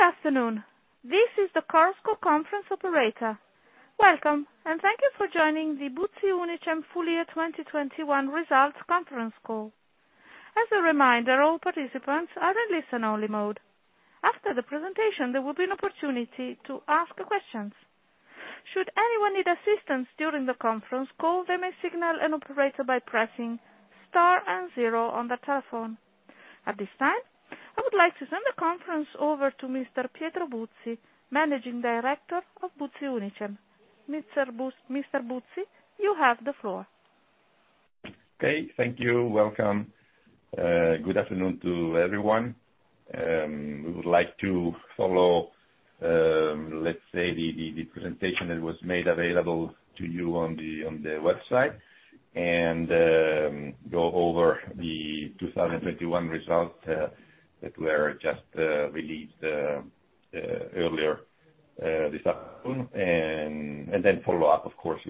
Good afternoon. This is the Chorus Call operator. Welcome, and thank you for joining the Buzzi Unicem Full Year 2021 Results Conference Call. As a reminder, all participants are in listen only mode. After the presentation, there will be an opportunity to ask questions. Should anyone need assistance during the conference call, they may signal an operator by pressing star and zero on their telephone. At this time, I would like to send the conference over to Mr. Pietro Buzzi, Managing Director of Buzzi Unicem. Mr. Buzzi, you have the floor. Okay. Thank you. Welcome. Good afternoon to everyone. We would like to follow, let's say the presentation that was made available to you on the website, and go over the 2021 results that were just released earlier this afternoon. Follow up of course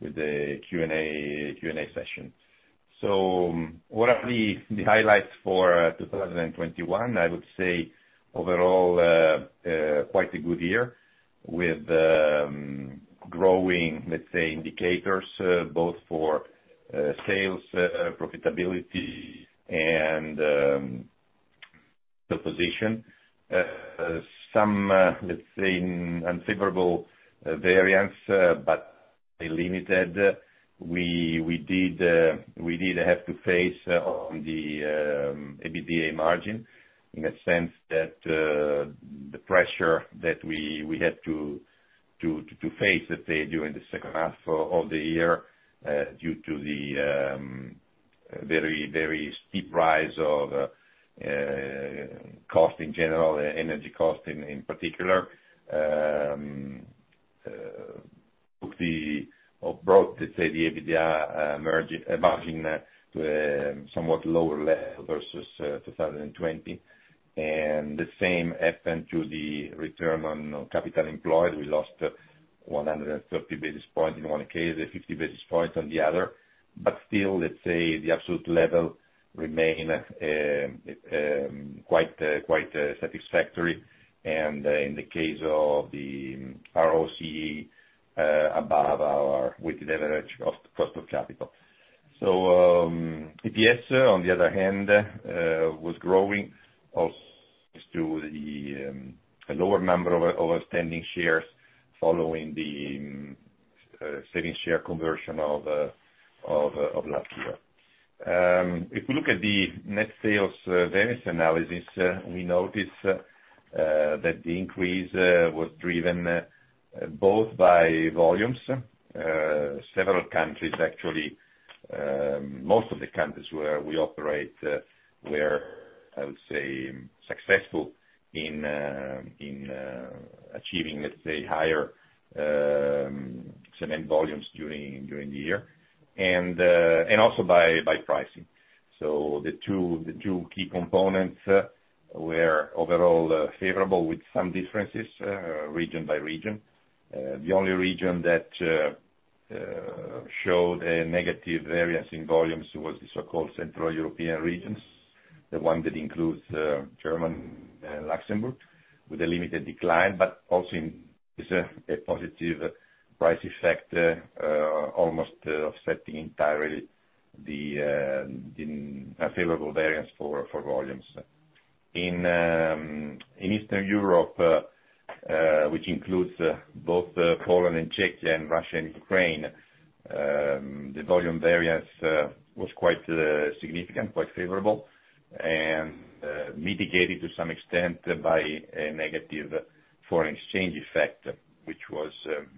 with the Q&A session. What are the highlights for 2021? I would say overall, quite a good year with growing, let's say indicators both for sales, profitability and the position. Some, let's say unfavorable variance, but they limited. We did have to face on the EBITDA margin in a sense that the pressure that we had to face, let's say during the second half of the year, due to the very steep rise of cost in general, energy cost in particular, brought, let's say the EBITDA margin to a somewhat lower level versus 2020. The same happened to the return on capital employed. We lost 130 basis points in one case, and 50 basis points on the other. Still, let's say the absolute level remain quite satisfactory. In the case of the ROCE, above our weighted average cost of capital. EPS on the other hand was growing also to the lower number of outstanding shares following the savings share conversion of last year. If you look at the net sales variance analysis, we notice that the increase was driven both by volumes, several countries actually, most of the countries where we operate were, I would say, successful in achieving, let's say, higher cement volumes during the year, and also by pricing. The two key components were overall favorable with some differences, region by region. The only region that showed a negative variance in volumes was the so-called Central European regions, the one that includes Germany and Luxembourg with a limited decline, but also in this a positive price effect almost offsetting entirely the unfavorable variance for volumes. In Eastern Europe, which includes both Poland and Czechia and Russia and Ukraine, the volume variance was quite significant, quite favorable, and mitigated to some extent by a negative foreign exchange effect, which was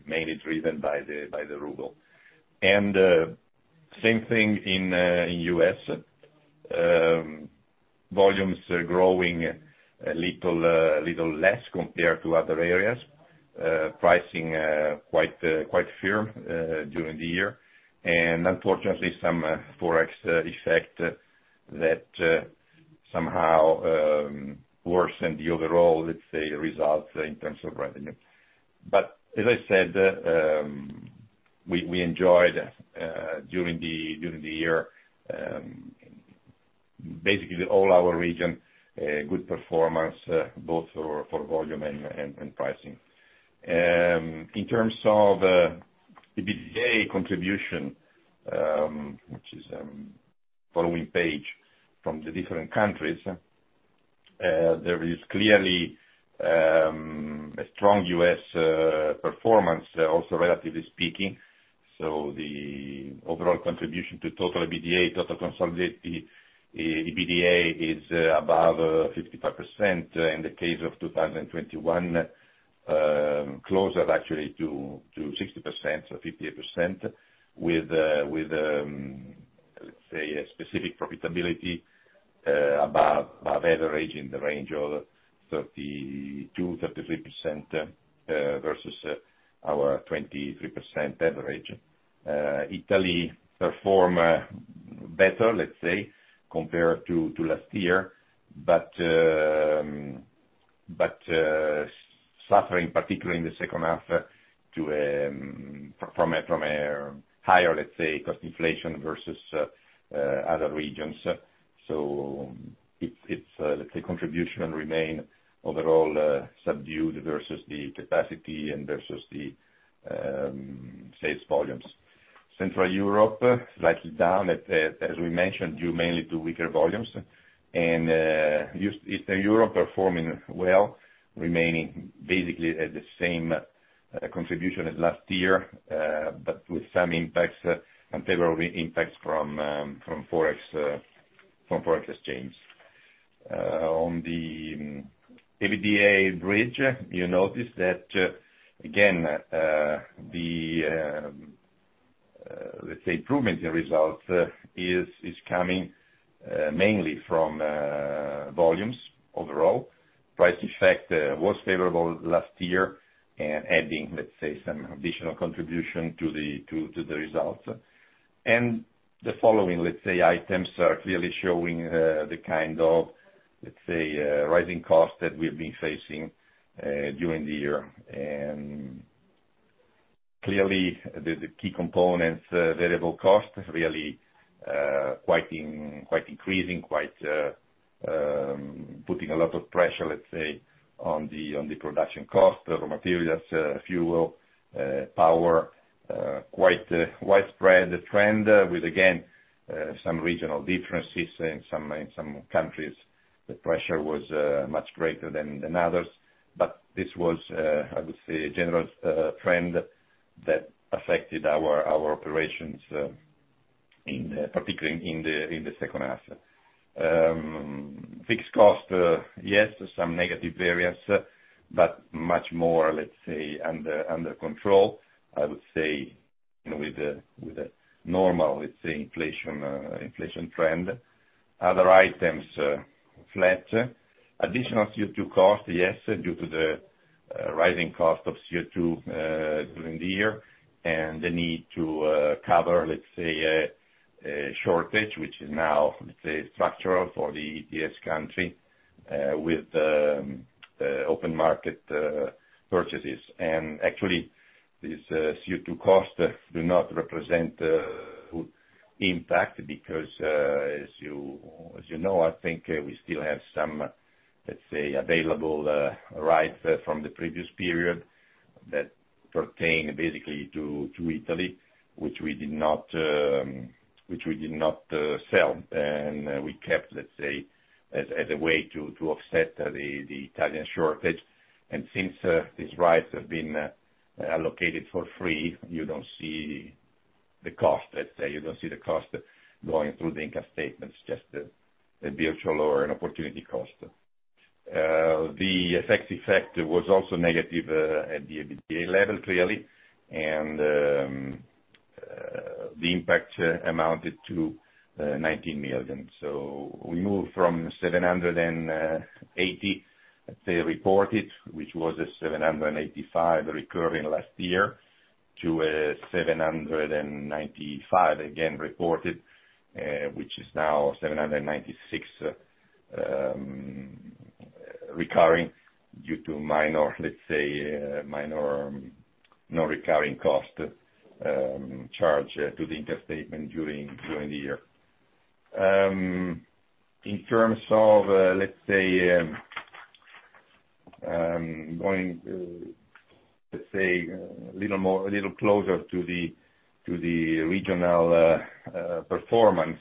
mainly driven by the ruble. Same thing in the U.S. Volumes are growing a little less compared to other areas. Pricing quite firm during the year. Unfortunately, some Forex effect that somehow worsen the overall, let's say, results in terms of revenue. As I said, we enjoyed during the year basically all our regions good performance both for volume and pricing. In terms of the EBITDA contribution, which is following page from the different countries, there is clearly a strong U.S. performance also relatively speaking. The overall contribution to total EBITDA, total consolidated EBITDA is above 55%. In the case of 2021, closer actually to 60% or 58% with let's say a specific profitability above average in the range of 32%-33% versus our 23% average. Italy performed better, let's say, compared to last year, suffering particularly in the second half from a higher, let's say, cost inflation versus other regions. Its contribution remains overall subdued versus the capacity and versus the sales volumes. Central Europe slightly down, as we mentioned, due mainly to weaker volumes. Eastern Europe performing well, remaining basically at the same contribution as last year, but with some favorable impacts from Forex exchange. On the EBITDA bridge, you notice that again, the improvement in results is coming mainly from volumes overall. Price effect was favorable last year, adding, let's say, some additional contribution to the results. The following, let's say, items are clearly showing the kind of let's say rising costs that we've been facing during the year. Clearly, the key components, variable costs really quite putting a lot of pressure, let's say, on the production cost, raw materials, fuel, power, quite a widespread trend with, again, some regional differences. In some countries, the pressure was much greater than others. This was, I would say, a general trend that affected our operations in particular in the second half. Fixed cost, yes, some negative variance, but much more, let's say, under control, I would say, you know, with a normal, let's say, inflation trend. Other items, flat. Additional CO2 cost, yes, due to the rising cost of CO2 during the year and the need to cover, let's say, a shortage which is now, let's say, structural for the ETS country, with the open market purchases. Actually, these CO2 costs do not represent impact because, as you know, I think we still have some, let's say, available rights from the previous period that pertain basically to Italy, which we did not sell, and we kept, let's say, as a way to offset the Italian shortage. Since these rights have been allocated for free, you don't see the cost, let's say, you don't see the cost going through the income statements, just a virtual or an opportunity cost. The FX effect was also negative at the EBITDA level, clearly. The impact amounted to 19 million. We moved from 780, let's say, reported, which was 785 recurring last year, to 795, again reported, which is now 796 recurring due to minor, let's say, minor non-recurring cost charge to the income statement during the year. In terms of, let's say, going a little closer to the regional performance,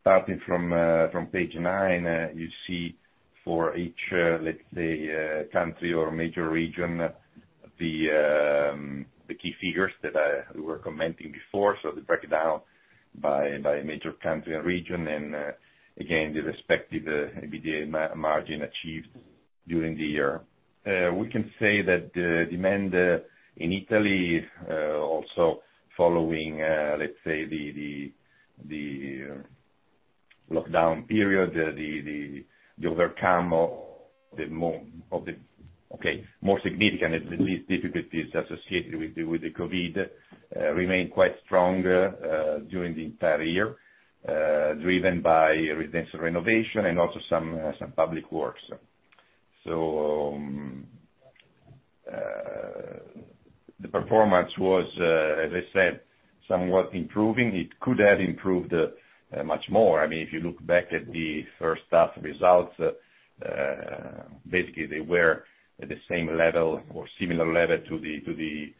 starting from page nine, you see for each, let's say, country or major region, the key figures that we were commenting before. They break it down by major country and region, and again, the respective EBITDA margin achieved during the year. We can say that the demand in Italy, also following, let's say, the lockdown period, the overcoming of the more significant difficulties associated with the COVID, remained quite strong during the entire year, driven by residential renovation and also some public works. The performance was, as I said, somewhat improving. It could have improved much more. I mean, if you look back at the first half results, basically they were at the same level or similar level to the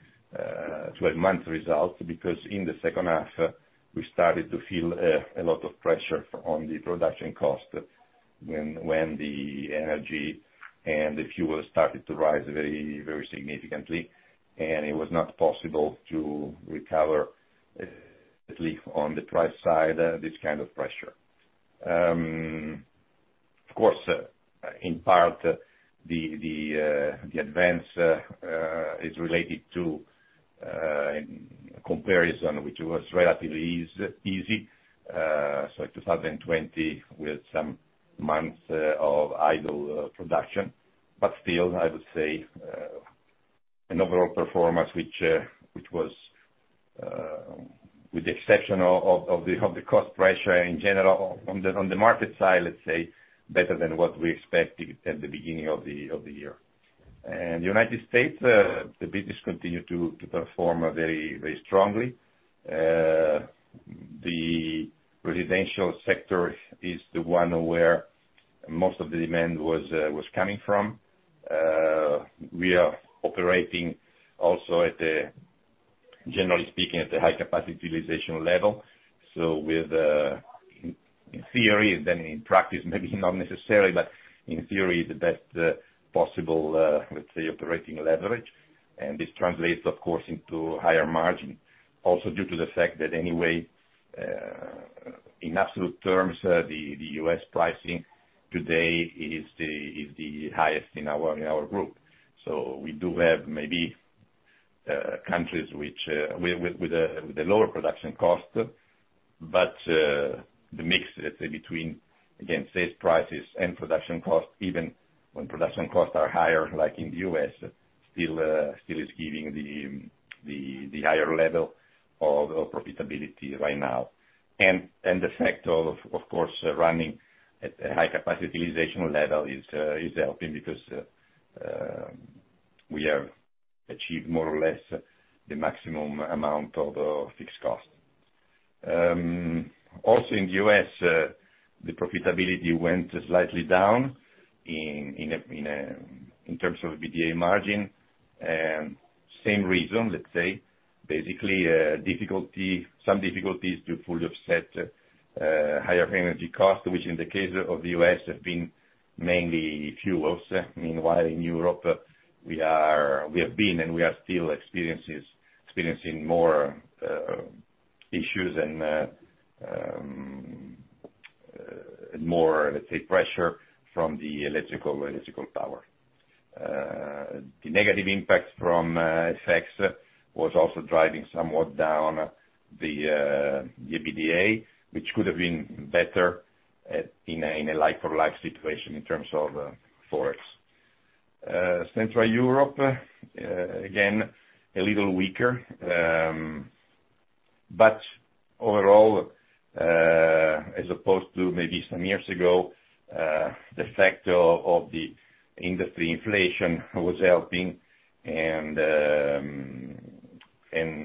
nine month results, because in the second half, we started to feel a lot of pressure on the production cost when the energy and the fuel started to rise very, very significantly, and it was not possible to recover at least on the price side this kind of pressure. Of course, in part, the advance is related to comparison, which was relatively easy. 2020, with some months of idle production. Still, I would say, an overall performance which was, with the exception of the cost pressure in general on the market side, let's say, better than what we expected at the beginning of the year. In the United States, the business continued to perform very strongly. The residential sector is the one where most of the demand was coming from. We are operating also generally speaking at the high capacity utilization level. With, in theory and then in practice, maybe not necessarily, but in theory, the best possible, let's say, operating leverage. This translates, of course, into higher margin. Also due to the fact that anyway, in absolute terms, the U.S. pricing today is the highest in our group. We do have maybe countries which with a lower production cost, but the mix, let's say, between, again, sales prices and production costs, even when production costs are higher, like in the U.S., still is giving the higher level of profitability right now. And the fact of course, running at a high capacity utilization level is helping because we have achieved more or less the maximum amount of fixed cost. Also in the U.S., the profitability went slightly down in terms of EBITDA margin. Same reason, let's say, basically difficulties to fully offset higher energy costs, which in the case of the U.S. have been mainly fuels. Meanwhile, in Europe, we have been and we are still experiencing more issues and more, let's say, pressure from the electrical power. The negative impact from FX effects was also driving somewhat down the EBITDA, which could have been better in a like-for-like situation in terms of Forex. Central Europe again, a little weaker. But overall, as opposed to maybe some years ago, the factor of the industry inflation was helping and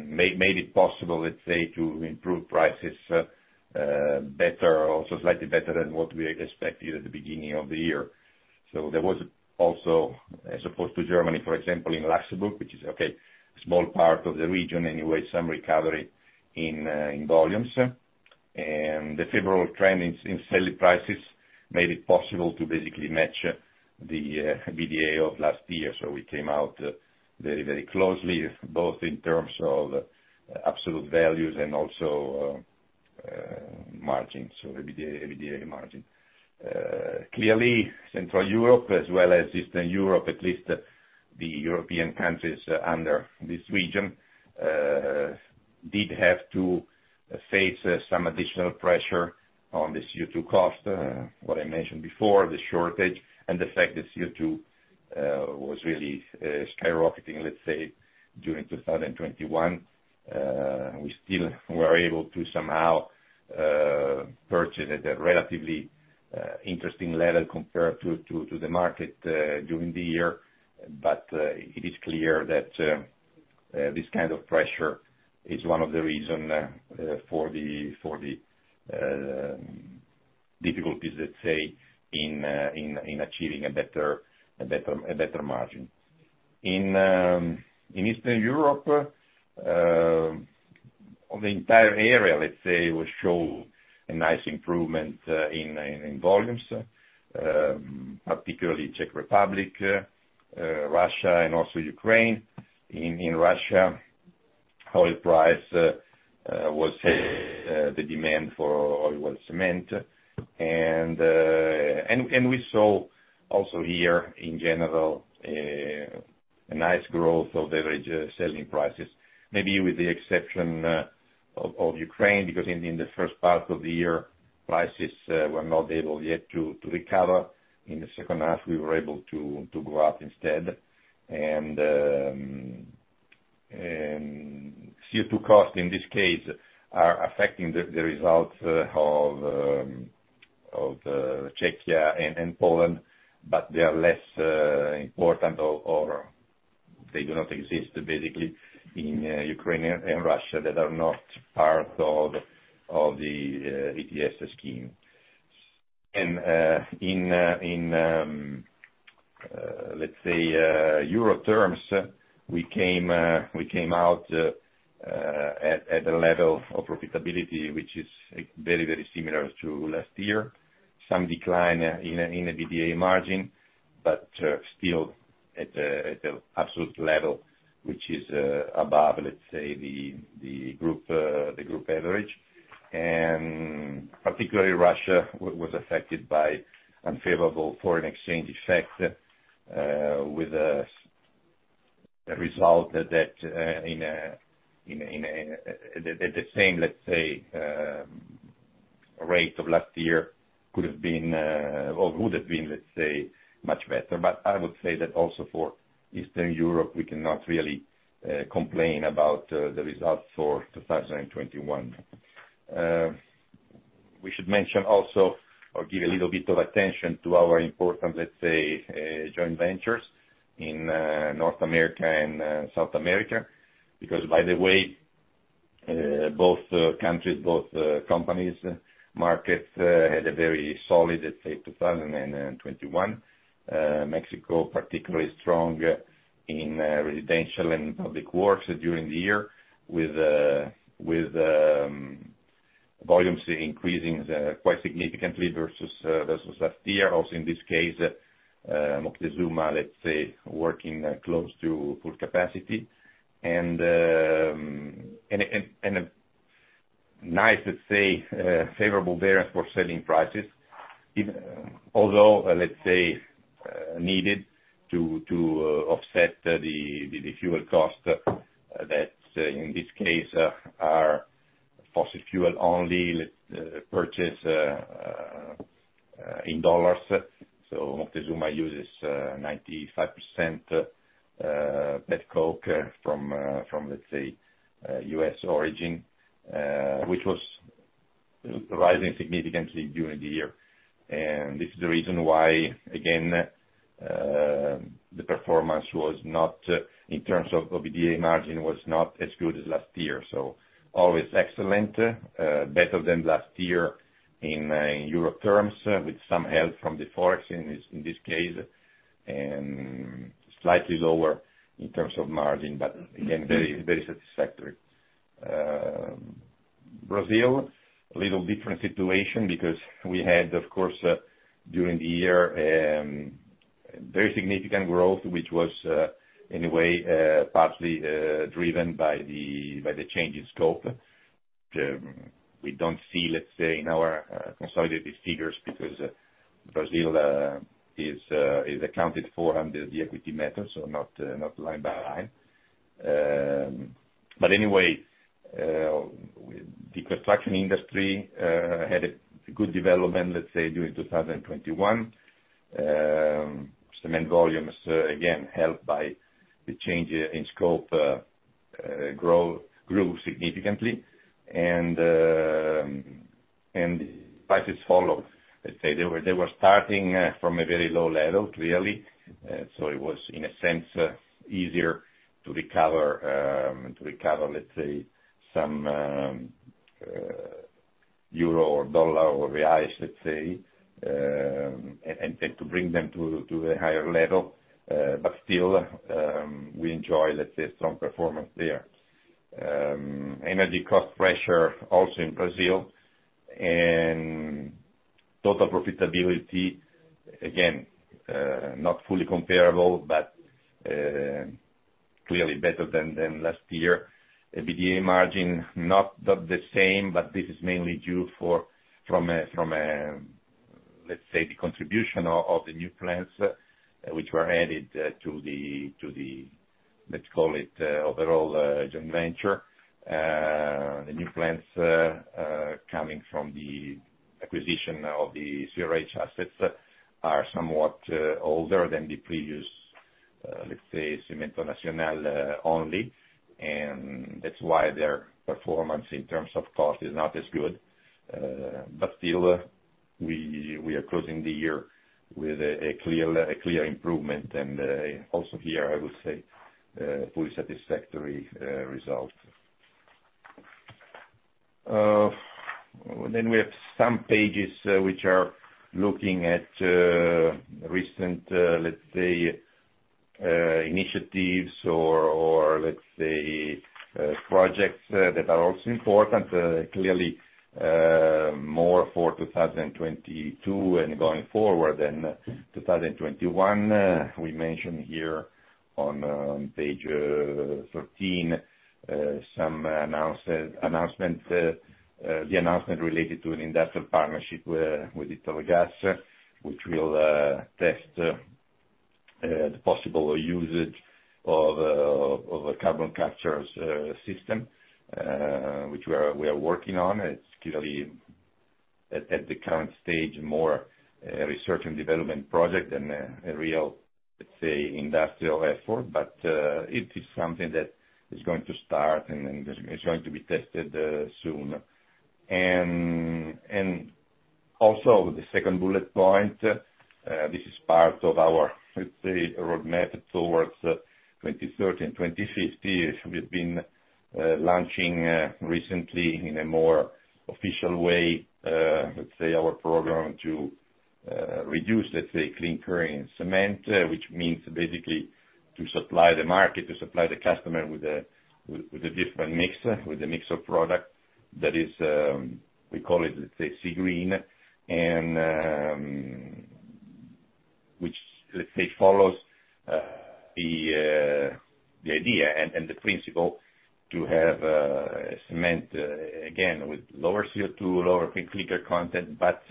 made it possible, let's say, to improve prices better, also slightly better than what we expected at the beginning of the year. There was also, as opposed to Germany, for example, in Luxembourg, which is a small part of the region, anyway, some recovery in volumes. The favorable trend in selling prices made it possible to basically match the EBITDA of last year. We came out very, very closely, both in terms of absolute values and also margins, so EBITDA margin. Clearly Central Europe as well as Eastern Europe, at least the European countries under this region, did have to face some additional pressure on the CO2 cost. What I mentioned before, the shortage and the fact that CO2 was really skyrocketing, let's say, during 2021. We still were able to somehow purchase at a relatively interesting level compared to the market during the year. It is clear that this kind of pressure is one of the reason for the difficulties, let's say, in achieving a better margin. In Eastern Europe, on the entire area, let's say, we show a nice improvement in volumes, particularly Czech Republic, Russia and also Ukraine. In Russia, the demand for oil well cement. We saw also here in general a nice growth of average selling prices. Maybe with the exception of Ukraine, because in the first part of the year, prices were not able yet to recover. In the second half, we were able to go up instead. CO2 costs in this case are affecting the results of Czechia and Poland, but they are less important or they do not exist basically in Ukraine and Russia that are not part of the ETS scheme. In euro terms, we came out at a level of profitability, which is very, very similar to last year. Some decline in a EBITDA margin, but still at an absolute level, which is above the group average. Particularly Russia was affected by unfavorable foreign exchange effects, with a result that at the same rate of last year could have been or would have been much better. I would say that also for Eastern Europe, we cannot really complain about the results for 2021. We should mention also or give a little bit of attention to our important joint ventures in North America and South America, because by the way, both countries, both companies' markets had a very solid 2021. Mexico, particularly strong in residential and public works during the year with volumes increasing quite significantly versus last year. Also, in this case, Moctezuma, let's say, working close to full capacity, and a nice, let's say, favorable variance for selling prices, although, let's say, needed to offset the fuel cost that in this case are fossil fuel only, purchased in dollars. Moctezuma uses 95% petcoke from U.S. origin, which was rising significantly during the year. This is the reason why, again, the performance was not as good as last year in terms of EBITDA margin. Always excellent, better than last year in euro terms, with some help from the Forex in this case, and slightly lower in terms of margin, but again, very, very satisfactory. Brazil, a little different situation because we had, of course, during the year, very significant growth, which was, anyway, partly driven by the change in scope. We don't see, let's say, in our consolidated figures because Brazil is accounted for under the equity method, so not line by line. Anyway, the construction industry had a good development, let's say, during 2021. Cement volumes, again, helped by the change in scope, grew significantly. Prices followed. Let's say they were starting from a very low level, really. It was, in a sense, easier to recover, let's say, some euro or dollar or reais, let's say, and then to bring them to a higher level. Still, we enjoy, let's say, strong performance there. Energy cost pressure also in Brazil. Total profitability, again, not fully comparable, but clearly better than last year. EBITDA margin, not the same, but this is mainly due to the contribution of the new plants, which were added to the, let's call it, overall joint venture. The new plants coming from the acquisition of the CRH assets are somewhat older than the previous, let's say, Cimento Nacional only. That's why their performance in terms of cost is not as good. But still, we are closing the year with a clear improvement. Also here, I would say, fully satisfactory result. We have some pages which are looking at recent, let's say, initiatives or let's say, projects that are also important, clearly, more for 2022 and going forward than 2021. We mentioned here on page 13 some announcements, the announcement related to an industrial partnership with Italgas, which will test the possible usage of a carbon capture system, which we are working on. It's clearly at the current stage more a research and development project than a real, let's say, industrial effort, but it is something that is going to start, and then it's going to be tested soon. Also the second bullet point, this is part of our, let's say, roadmap towards 2030 and 2050. We've been launching recently in a more official way, let's say, our program to reduce, let's say, low-carbon cement, which means basically to supply the market, to supply the customer with a different mix of product that is, we call it, let's say, C-Green, and which, let's say, follows the idea and the principle to have cement again with lower CO2, lower clinker content, but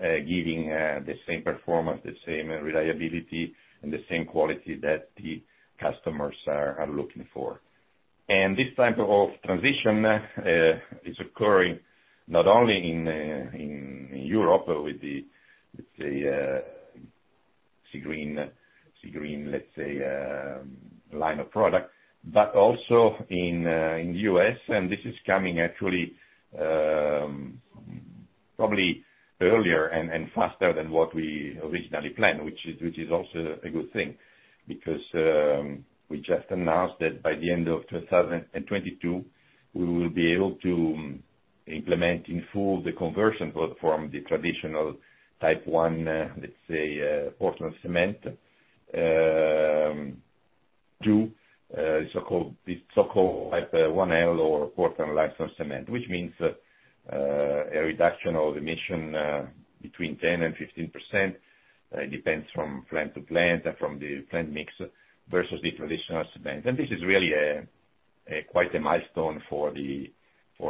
giving the same performance, the same reliability, and the same quality that the customers are looking for. T his type of transition is occurring not only in Europe with the, let's say, C-Green line of product, but also in the U.S., and this is coming actually probably earlier and faster than what we originally planned, which is also a good thing. Because we just announced that by the end of 2022, we will be able to implement in full the conversion both from the traditional Type I, let's say, Portland cement to so-called Type IL or Portland limestone cement. Which means a reduction of emissions between 10%-15%. It depends from plant to plant and from the plant mix versus the traditional cement. This is really quite a milestone for the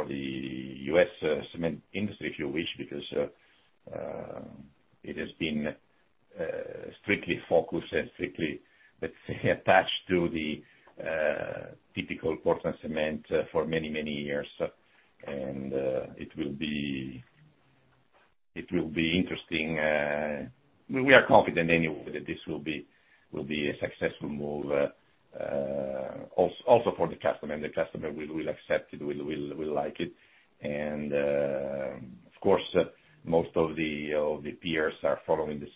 U.S. cement industry, if you wish, because it has been strictly focused and strictly, let's say attached to the typical Portland cement for many, many years. It will be interesting. We are confident anyway that this will be a successful move, also for the customer, and the customer will accept it, will like it. Of course, most of the peers are following the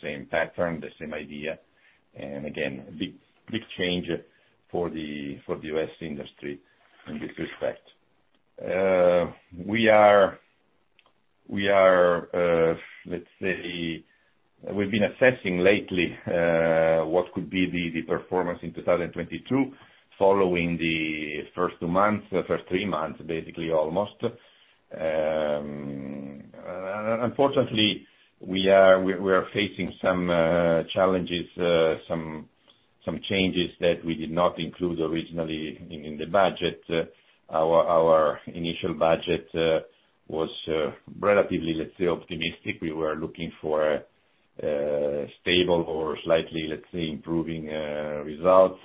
same pattern, the same idea. Again, big change for the U.S. industry in this respect. We've been assessing lately what could be the performance in 2022, following the first two months, the first three months, basically almost. Unfortunately we are facing some challenges, some changes that we did not include originally in the budget. Our initial budget was relatively, let's say, optimistic. We were looking for stable or slightly, let's say, improving results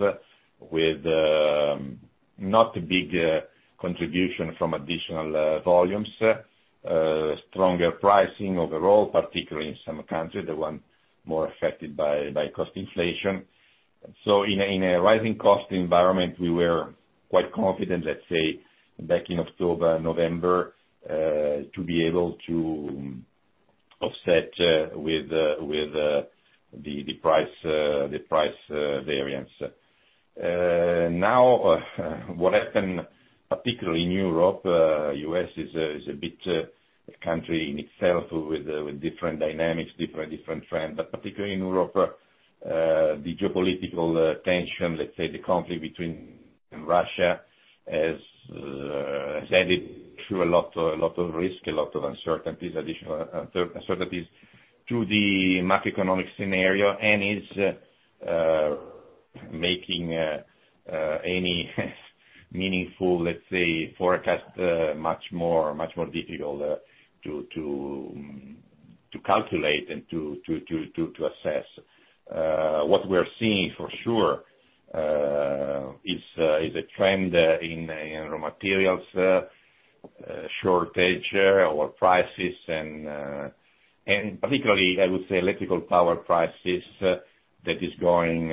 with not big contribution from additional volumes, stronger pricing overall, particularly in some countries, the one more affected by cost inflation. In a rising cost environment, we were quite confident, let's say, back in October, November, to be able to offset with the price variance. Now what happened, particularly in Europe, U.S. is a bit country in itself with different dynamics, different trends. Particularly in Europe, the geopolitical tension, let's say the conflict between Russia has added to a lot of risk, a lot of uncertainties, additional uncertainties to the macroeconomic scenario and is making any meaningful, let's say, forecast much more difficult to calculate and to assess. What we're seeing for sure is a trend in raw materials shortage or prices and particularly, I would say electrical power prices that is going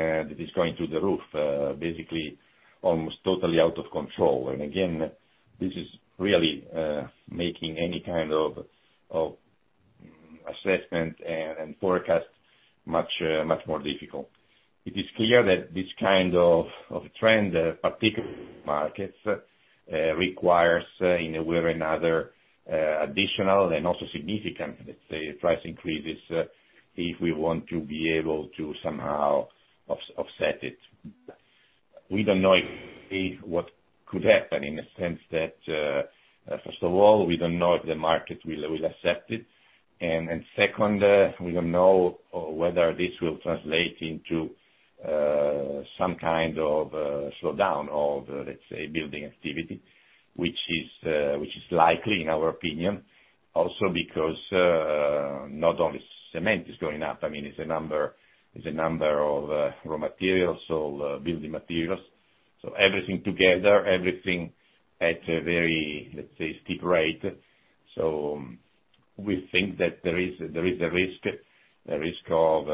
through the roof basically almost totally out of control. This is really making any kind of assessment and forecast much more difficult. It is clear that this kind of of trend particularly markets requires in one way or another additional and also significant, let's say, price increases if we want to be able to somehow offset it. We don't know if what could happen in the sense that first of all, we don't know if the market will accept it. Second, we don't know whether this will translate into some kind of slowdown of, let's say, building activity, which is likely in our opinion, also because not only cement is going up. I mean, it's a number of raw materials or building materials. Everything together, everything at a very, let's say, steep rate. We think that there is a risk of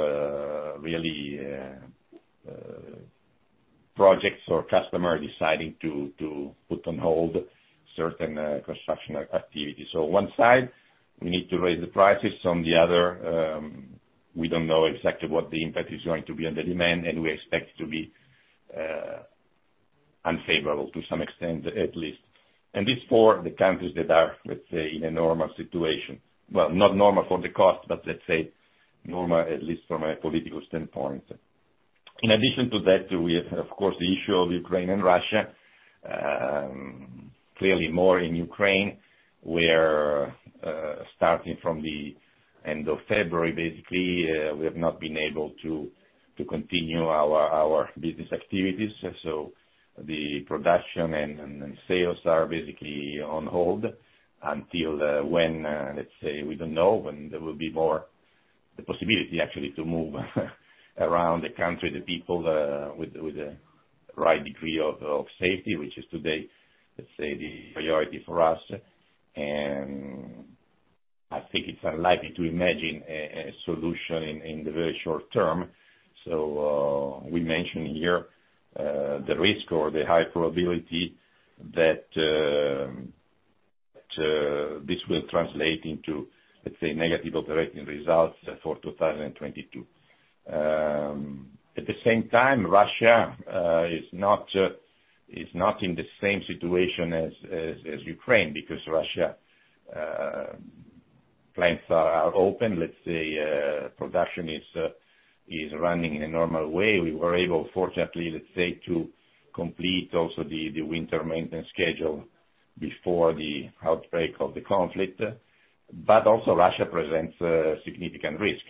really projects or customer deciding to put on hold certain construction activities. On one side, we need to raise the prices. On the other, we don't know exactly what the impact is going to be on the demand, and we expect it to be unfavorable to some extent, at least. This for the countries that are, let's say, in a normal situation. Well, not normal for the cost, but let's say normal, at least from a political standpoint. In addition to that, we have, of course, the issue of Ukraine and Russia. Clearly more in Ukraine, where, starting from the end of February, basically, we have not been able to continue our activities. The production and sales are basically on hold until when, let's say, we don't know when there will be more. The possibility actually to move around the country, the people, with the right degree of safety, which is today, let's say, the priority for us. I think it's unlikely to imagine a solution in the very short term. We mentioned here the risk or the high probability that this will translate into, let's say, negative operating results for 2022. At the same time, Russia is not in the same situation as Ukraine because Russia plants are open. Let's say production is running in a normal way. We were able, fortunately, let's say, to complete also the winter maintenance schedule before the outbreak of the conflict. Russia presents a significant risk.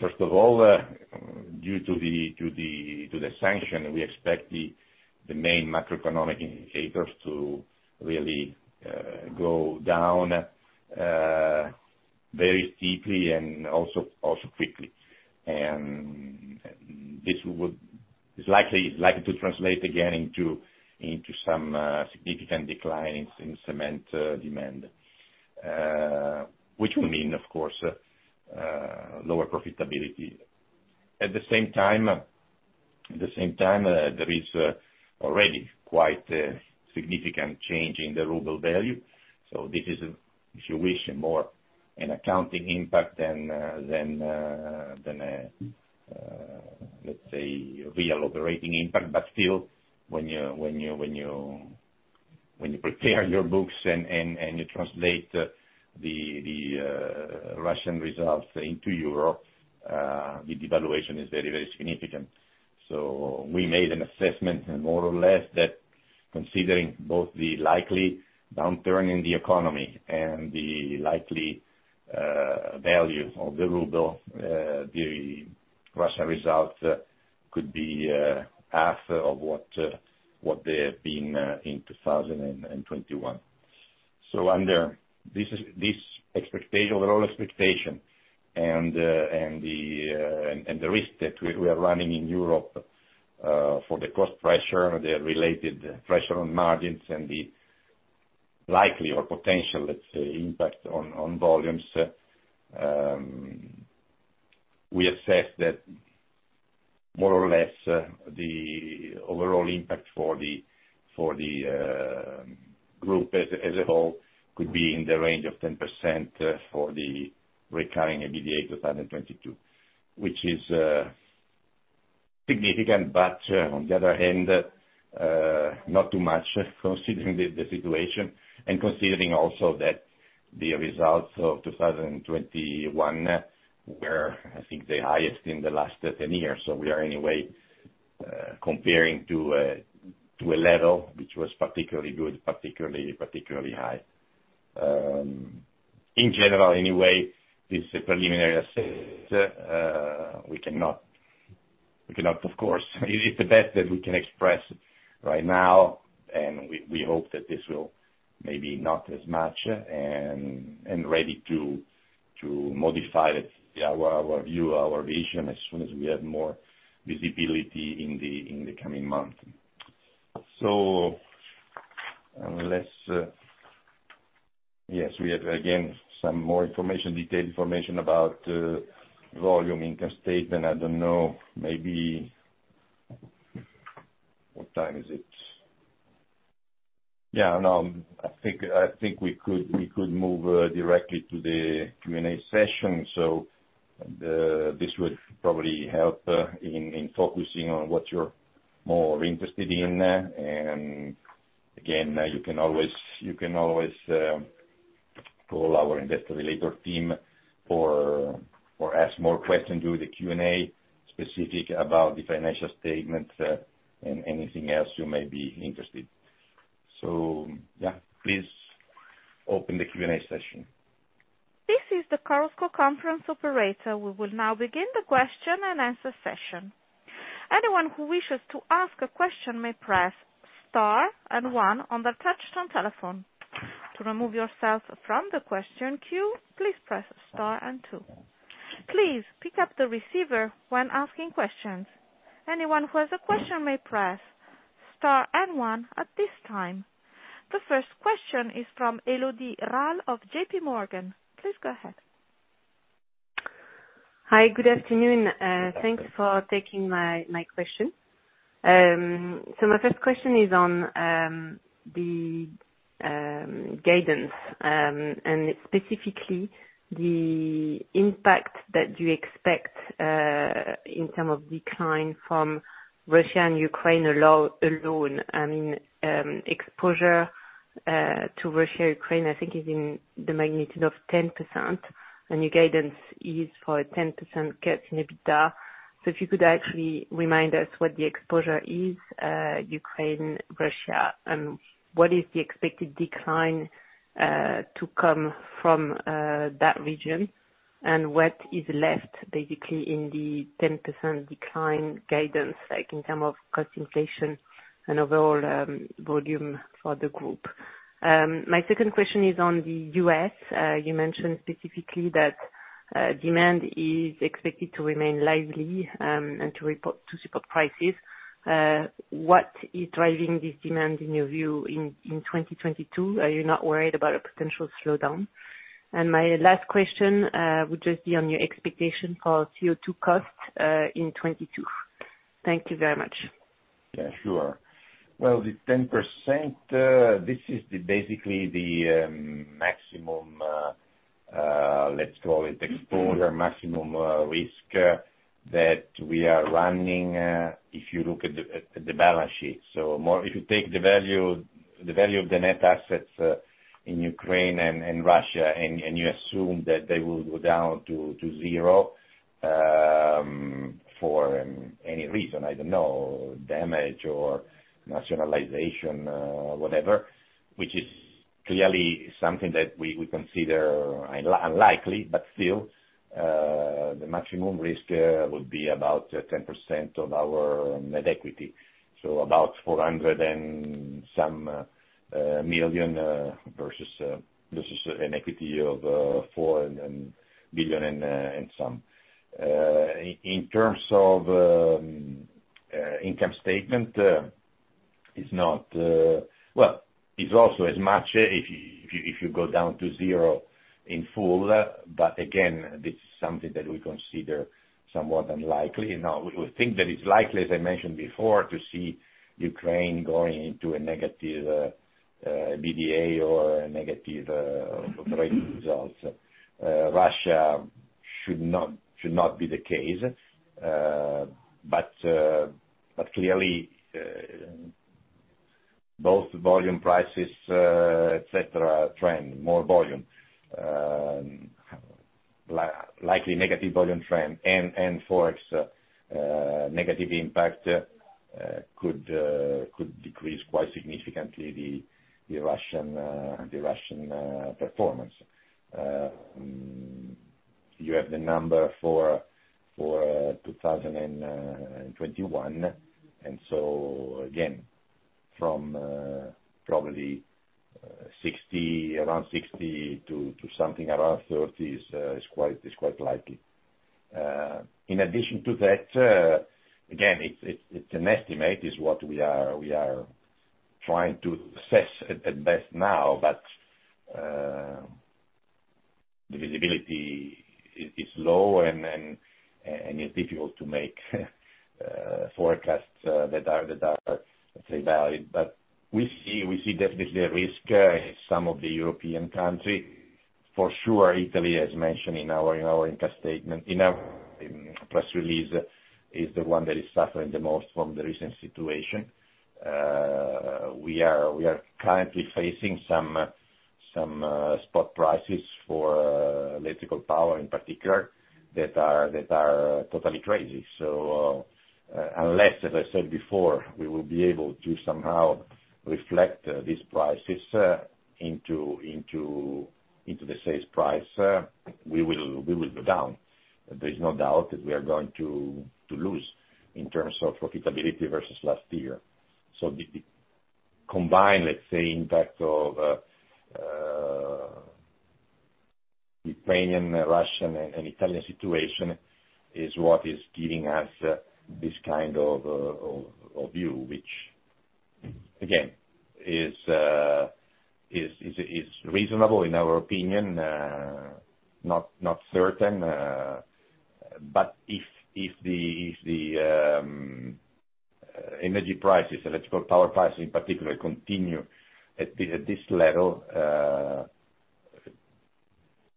First of all, due to the sanction, we expect the main macroeconomic indicators to really go down very steeply and also quickly. This would. It's likely to translate again into some significant decline in cement demand, which will mean, of course, lower profitability. At the same time, there is already quite a significant change in the ruble value. This is, if you wish, more an accounting impact than a, let's say, real operating impact. Still when you prepare your books and you translate the Russian results into Europe, the devaluation is very, very significant. We made an assessment more or less that considering both the likely downturn in the economy and the likely value of the ruble, the Russian results could be half of what they have been in 2021. Under this overall expectation and the risk that we are running in Europe for the cost pressure, the related pressure on margins and the likely or potential, let's say, impact on volumes, we assess that more or less the overall impact for the group as a whole could be in the range of 10% for the recurring EBITDA 2022, which is significant. On the other hand, not too much considering the situation and considering also that the results of 2021 were, I think, the highest in the last 10 years. We are anyway comparing to a level which was particularly good, particularly high. In general anyway, this is a preliminary assessment. We cannot of course. It's the best that we can express right now, and we hope that this will maybe not as much and ready to modify our view, our vision as soon as we have more visibility in the coming months. Unless we have again some more information, detailed information about volume, income statement. I don't know, maybe. What time is it? Yeah. No, I think we could move directly to the Q&A session. This would probably help in focusing on what you're more interested in. Again, you can always call our investor relations team or ask more questions through the Q&A specific about the financial statements, and anything else you may be interested. Yeah, please open the Q&A session. This is the Chorus Call conference operator. We will now begin the question and answer session. Anyone who wishes to ask a question may press star and one on their touch tone telephone. To remove yourself from the question queue, please press star and two. Please pick up the receiver when asking questions. Anyone who has a question may press star and one at this time. The first question is from Elodie Rall of JPMorgan. Please go ahead. Hi. Good afternoon. Thanks for taking my question. My first question is on the guidance and specifically the impact that you expect in terms of decline from Russia and Ukraine alone. I mean, exposure to Russia/Ukraine, I think is in the magnitude of 10%, and your guidance is for a 10% cut in EBITDA. If you could actually remind us what the exposure is to Ukraine/Russia, and what is the expected decline to come from that region? What is left basically in the 10% decline guidance, like in terms of cost inflation and overall volume for the group? My second question is on the U.S. You mentioned specifically that demand is expected to remain lively and to support prices. What is driving this demand in your view in 2022? Are you not worried about a potential slowdown? My last question would just be on your expectation for CO2 costs in 2022. Thank you very much. Yeah. Sure. Well, the 10%, this is basically the maximum, let's call it exposure, maximum risk that we are running if you look at the balance sheet. If you take the value of the net assets in Ukraine and Russia and you assume that they will go down to zero for any reason, I don't know, damage or nationalization, whatever, which is clearly something that we consider unlikely, but still, the maximum risk will be about 10% of our net equity, so about 400 and some million versus an equity of 4 billion and some. In terms of income statement, it's not... Well, it's also as much if you go down to zero in full, but again, this is something that we consider somewhat unlikely. Now, we would think that it's likely, as I mentioned before, to see Ukraine going into a negative EBITDA or a negative operating results. Russia should not be the case. But clearly, both volume prices, etc., trend more volume. Likely negative volume trend and Forex negative impact could decrease quite significantly the Russian performance. You have the number for 2021. Again, from probably around 60 to something around 30 is quite likely. In addition to that, again, it's an estimate, is what we are trying to assess at best now, but the visibility is low and it's difficult to make forecasts that are, let's say, valid. We see definitely a risk in some of the European country. For sure, Italy, as mentioned in our income statement, in our press release, is the one that is suffering the most from the recent situation. We are currently facing some spot prices for electrical power in particular that are totally crazy. Unless, as I said before, we will be able to somehow reflect these prices into the sales price, we will go down. There is no doubt that we are going to lose in terms of profitability versus last year. The combined, let's say, impact of Ukrainian, Russian, and Italian situation is what is giving us this kind of view, which, again, is reasonable in our opinion, not certain. If the energy prices, electrical power prices in particular continue at this level,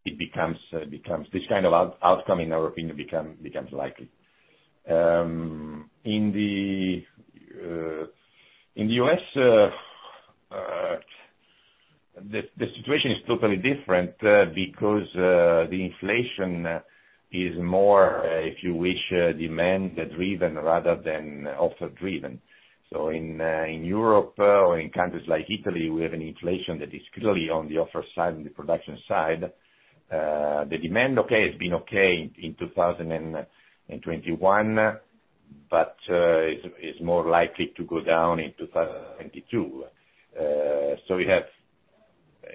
this kind of outcome in our opinion becomes likely. In the U.S., the situation is totally different because the inflation is more, if you wish, demand driven rather than supply driven. In Europe or in countries like Italy, we have an inflation that is clearly on the supply side and the production side. The demand has been okay in 2021, but it's more likely to go down in 2022. We have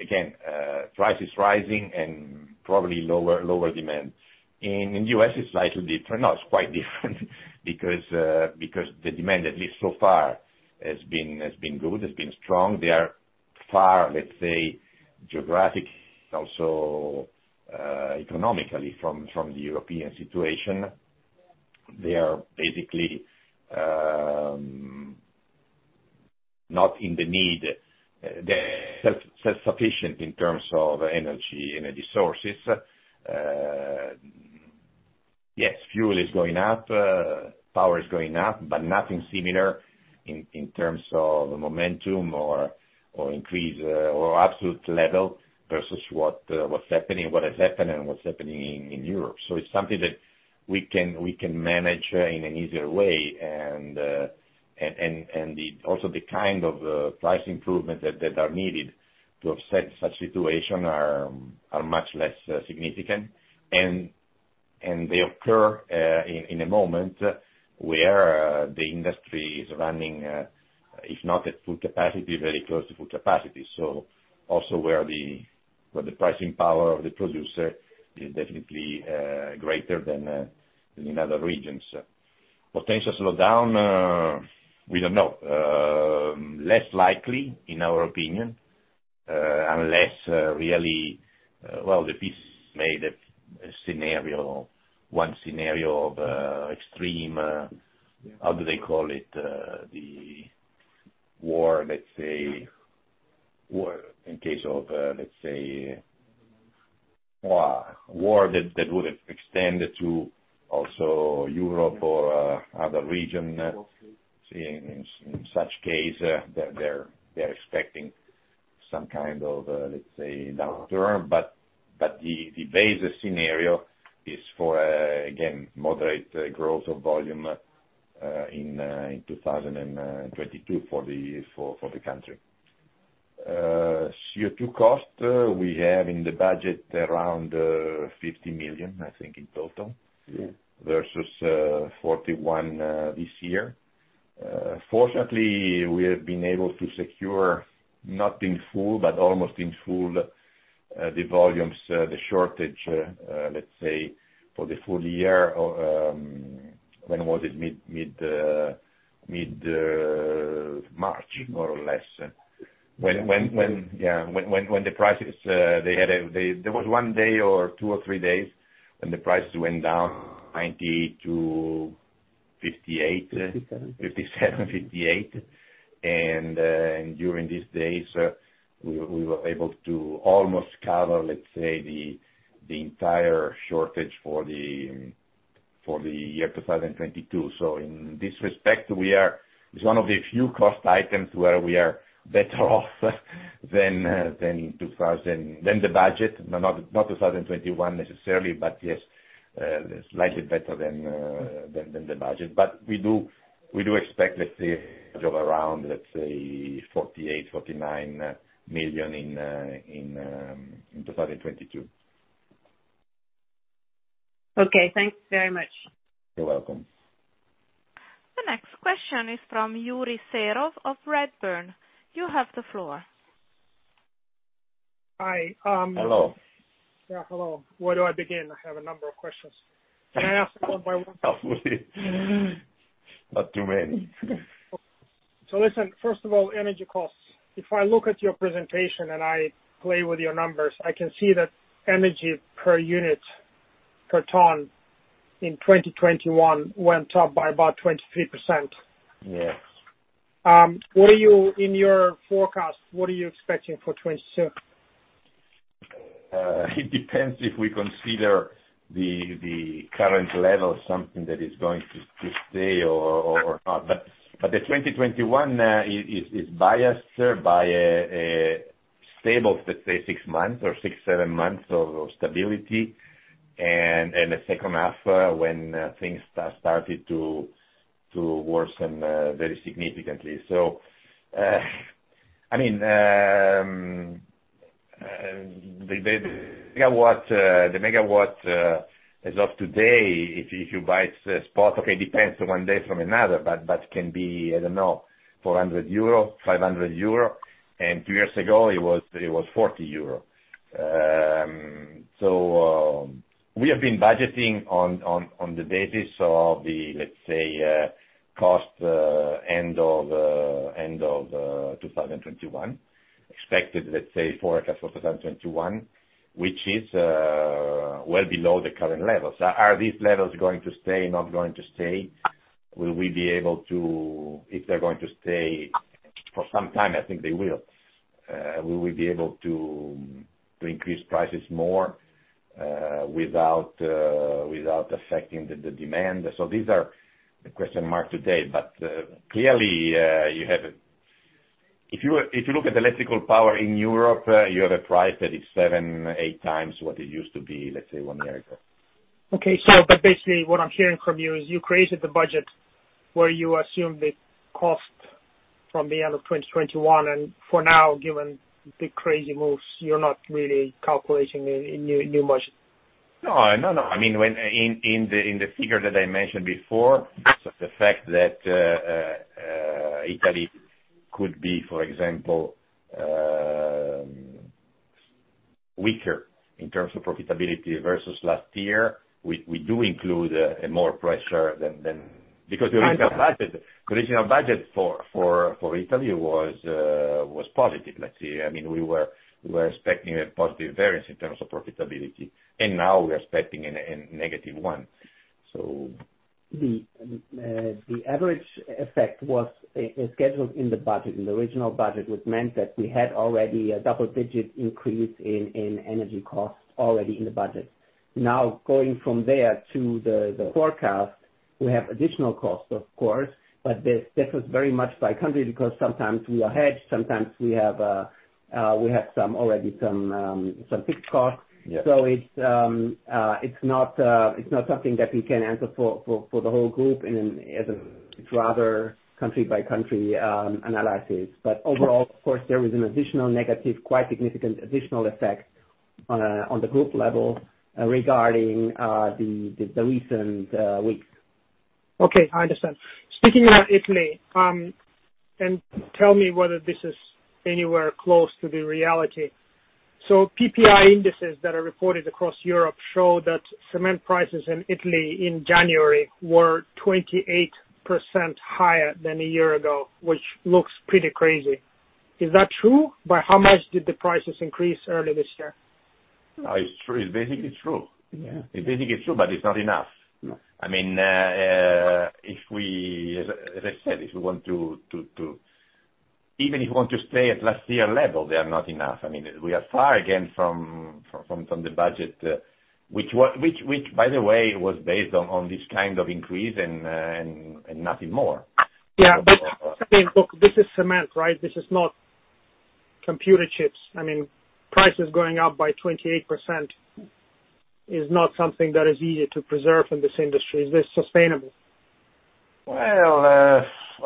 again prices rising and probably lower demand. In the U.S., it's slightly different. No, it's quite different because the demand, at least so far, has been good, has been strong. They are far, let's say, geographically also economically from the European situation. They are basically not in need; they're self-sufficient in terms of energy sources. Yes, fuel is going up, power is going up, but nothing similar in terms of the momentum or increase or absolute level versus what's happening, what has happened and what's happening in Europe. It's something that we can manage in an easier way. Also the kind of price improvements that are needed to offset such situation are much less significant. They occur in a moment where the industry is running, if not at full capacity, very close to full capacity, also where the pricing power of the producer is definitely greater than in other regions. Potential slowdown, we don't know. Less likely in our opinion, unless really. Well, the piece made a scenario, one scenario of extreme, how do they call it? The war, let's say, in case of war, a war that would have extended to Europe or other region. In such case, they're expecting some kind of downturn. The basic scenario is for again moderate growth of volume in 2022 for the country. CO2 cost, we have in the budget around 50 million, I think, in total. Mm-hmm. Versus 41 this year. Fortunately, we have been able to secure, not in full, but almost in full, the volumes, the shortage, let's say for the full year, when was it? Mid-March, more or less. Yeah, when the prices, there was one day or two or three days when the prices went down 90-58. 57. 57, 58. During these days, we were able to almost cover, let's say, the entire shortage for the year 2022. In this respect, we are. It's one of the few cost items where we are better off than 2022 than the budget, but not 2021 necessarily, but yes, slightly better than the budget. We do expect, let's say, around, let's say, 48 million-49 million in 2022. Okay. Thanks very much. You're welcome. The next question is from Yuri Serov of Redburn. You have the floor. Hi. Hello. Yeah, hello. Where do I begin? I have a number of questions. Can I ask one by one? Hopefully. Not too many. Listen, first of all, energy costs. If I look at your presentation and I play with your numbers, I can see that energy per unit, per ton in 2021 went up by about 23%. Yes. In your forecast, what are you expecting for 2022? It depends if we consider the current level something that is going to stay or not. 2021 is biased by a stable, let's say, six or seven months of stability. The second half, when things started to worsen very significantly. The megawatt as of today, if you buy spot, okay, depends one day from another, but can be, I don't know, 400 euro, 500 euro. Two years ago, it was 40 euro. We have been budgeting on the basis of the, let's say, cost end of 2021. Expected, let's say, forecast of 2021, which is well below the current levels. Are these levels going to stay, not going to stay? Will we be able to? If they're going to stay for some time, I think they will. Will we be able to increase prices more without affecting the demand? These are the question marks today. Clearly, you have a. If you look at the electrical power in Europe, you have a price that is 7x-8x what it used to be, let's say, one year ago. Basically what I'm hearing from you is you created the budget where you assumed the cost from the end of 2021, and for now, given the crazy moves, you're not really calculating a new budget. No. I mean, in the figure that I mentioned before, the fact that Italy could be, for example, weaker in terms of profitability versus last year, we do include more pressure than. Because the original budget for Italy was positive, let's say. I mean, we were expecting a positive variance in terms of profitability, and now we're expecting a negative one. The average effect was scheduled in the budget. In the original budget, which meant that we had already a double-digit increase in energy costs already in the budget. Now, going from there to the forecast, we have additional costs, of course, but this was very much by country because sometimes we are hedged, sometimes we have already some fixed costs. Yeah. It's not something that we can answer for the whole group. It's rather country by country analysis. Overall, of course, there is an additional negative, quite significant additional effect on the group level regarding the recent weeks. Okay, I understand. Speaking about Italy, and tell me whether this is anywhere close to the reality. PPI indices that are reported across Europe show that cement prices in Italy in January were 28% higher than a year ago, which looks pretty crazy. Is that true? By how much did the prices increase early this year? It's true. It's basically true. Yeah. It's basically true, but it's not enough. No. I mean, as I said, even if we want to stay at last year level, they are not enough. I mean, we are far again from the budget, which, by the way, was based on this kind of increase and nothing more. Yeah. I mean, look, this is cement, right? This is not computer chips. I mean, prices going up by 28% is not something that is easy to preserve in this industry. Is this sustainable? Well,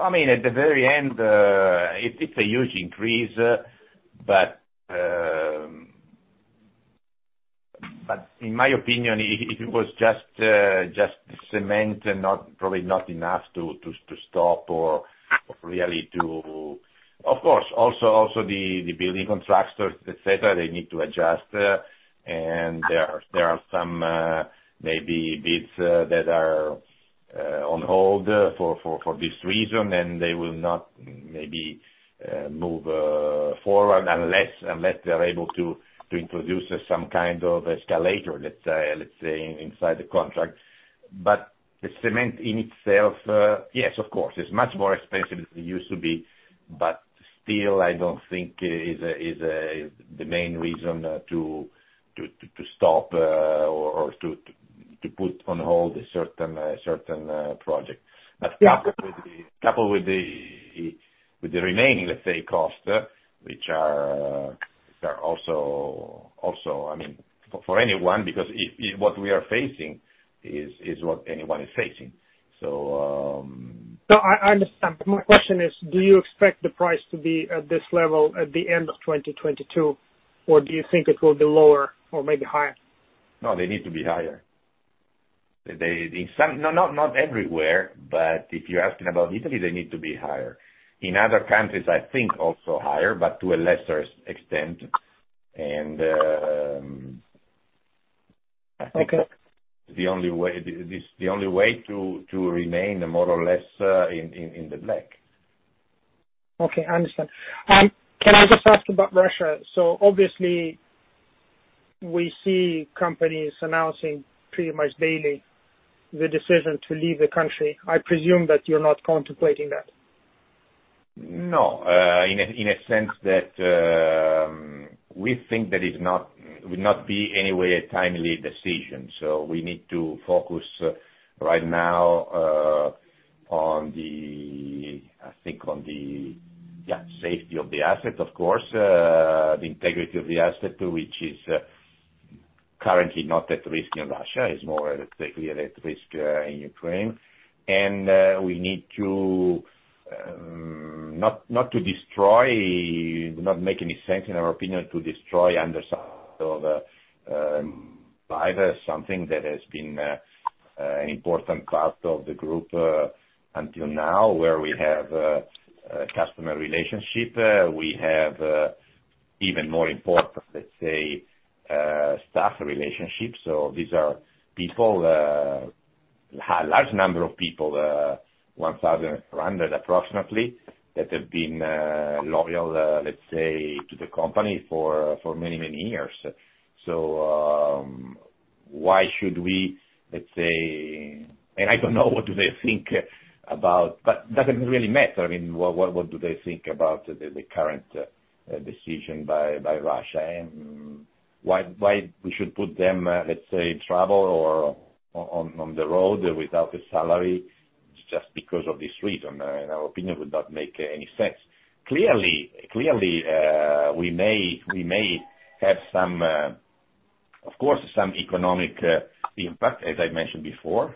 I mean, at the very end, it's a huge increase, but in my opinion, it was just the cement and not probably not enough to stop or really to. Of course, also, the building contractors, et cetera, they need to adjust, and there are some maybe bids that are on hold for this reason, and they will not maybe move forward unless they're able to introduce some kind of escalator, let's say, inside the contract. The cement in itself, yes, of course, it's much more expensive than it used to be, but still, I don't think it is the main reason to stop or to put on hold certain project. Yeah. Coupled with the remaining, let's say cost, which are also, I mean, for anyone, because what we are facing is what anyone is facing. No, I understand. My question is, do you expect the price to be at this level at the end of 2022, or do you think it will be lower or maybe higher? No, they need to be higher. No, not everywhere, but if you're asking about Italy, they need to be higher. In other countries, I think also higher, but to a lesser extent. I think. Okay the only way to remain more or less in the black. Okay, I understand. Can I just ask about Russia? Obviously we see companies announcing pretty much daily the decision to leave the country. I presume that you're not contemplating that. No, in a sense that we think that it will not be in any way a timely decision. We need to focus right now on the safety of the asset, of course, the integrity of the asset, which is currently not at risk in Russia. It's more, let's say, at risk in Ukraine. We need not to destroy. It does not make any sense, in our opinion, to destroy something that has been an important part of the group until now, where we have a customer relationship. We have even more important, let's say, staff relationships. These are people, large number of people, approximately 1,000, that have been loyal, let's say, to the company for many years. Why should we, let's say? I don't know what do they think about, but doesn't really matter. I mean, what do they think about the current decision by Russia and why we should put them, let's say, in trouble or on the road without a salary just because of this reason? In our opinion, would not make any sense. Clearly, we may have some, of course, some economic impact, as I mentioned before.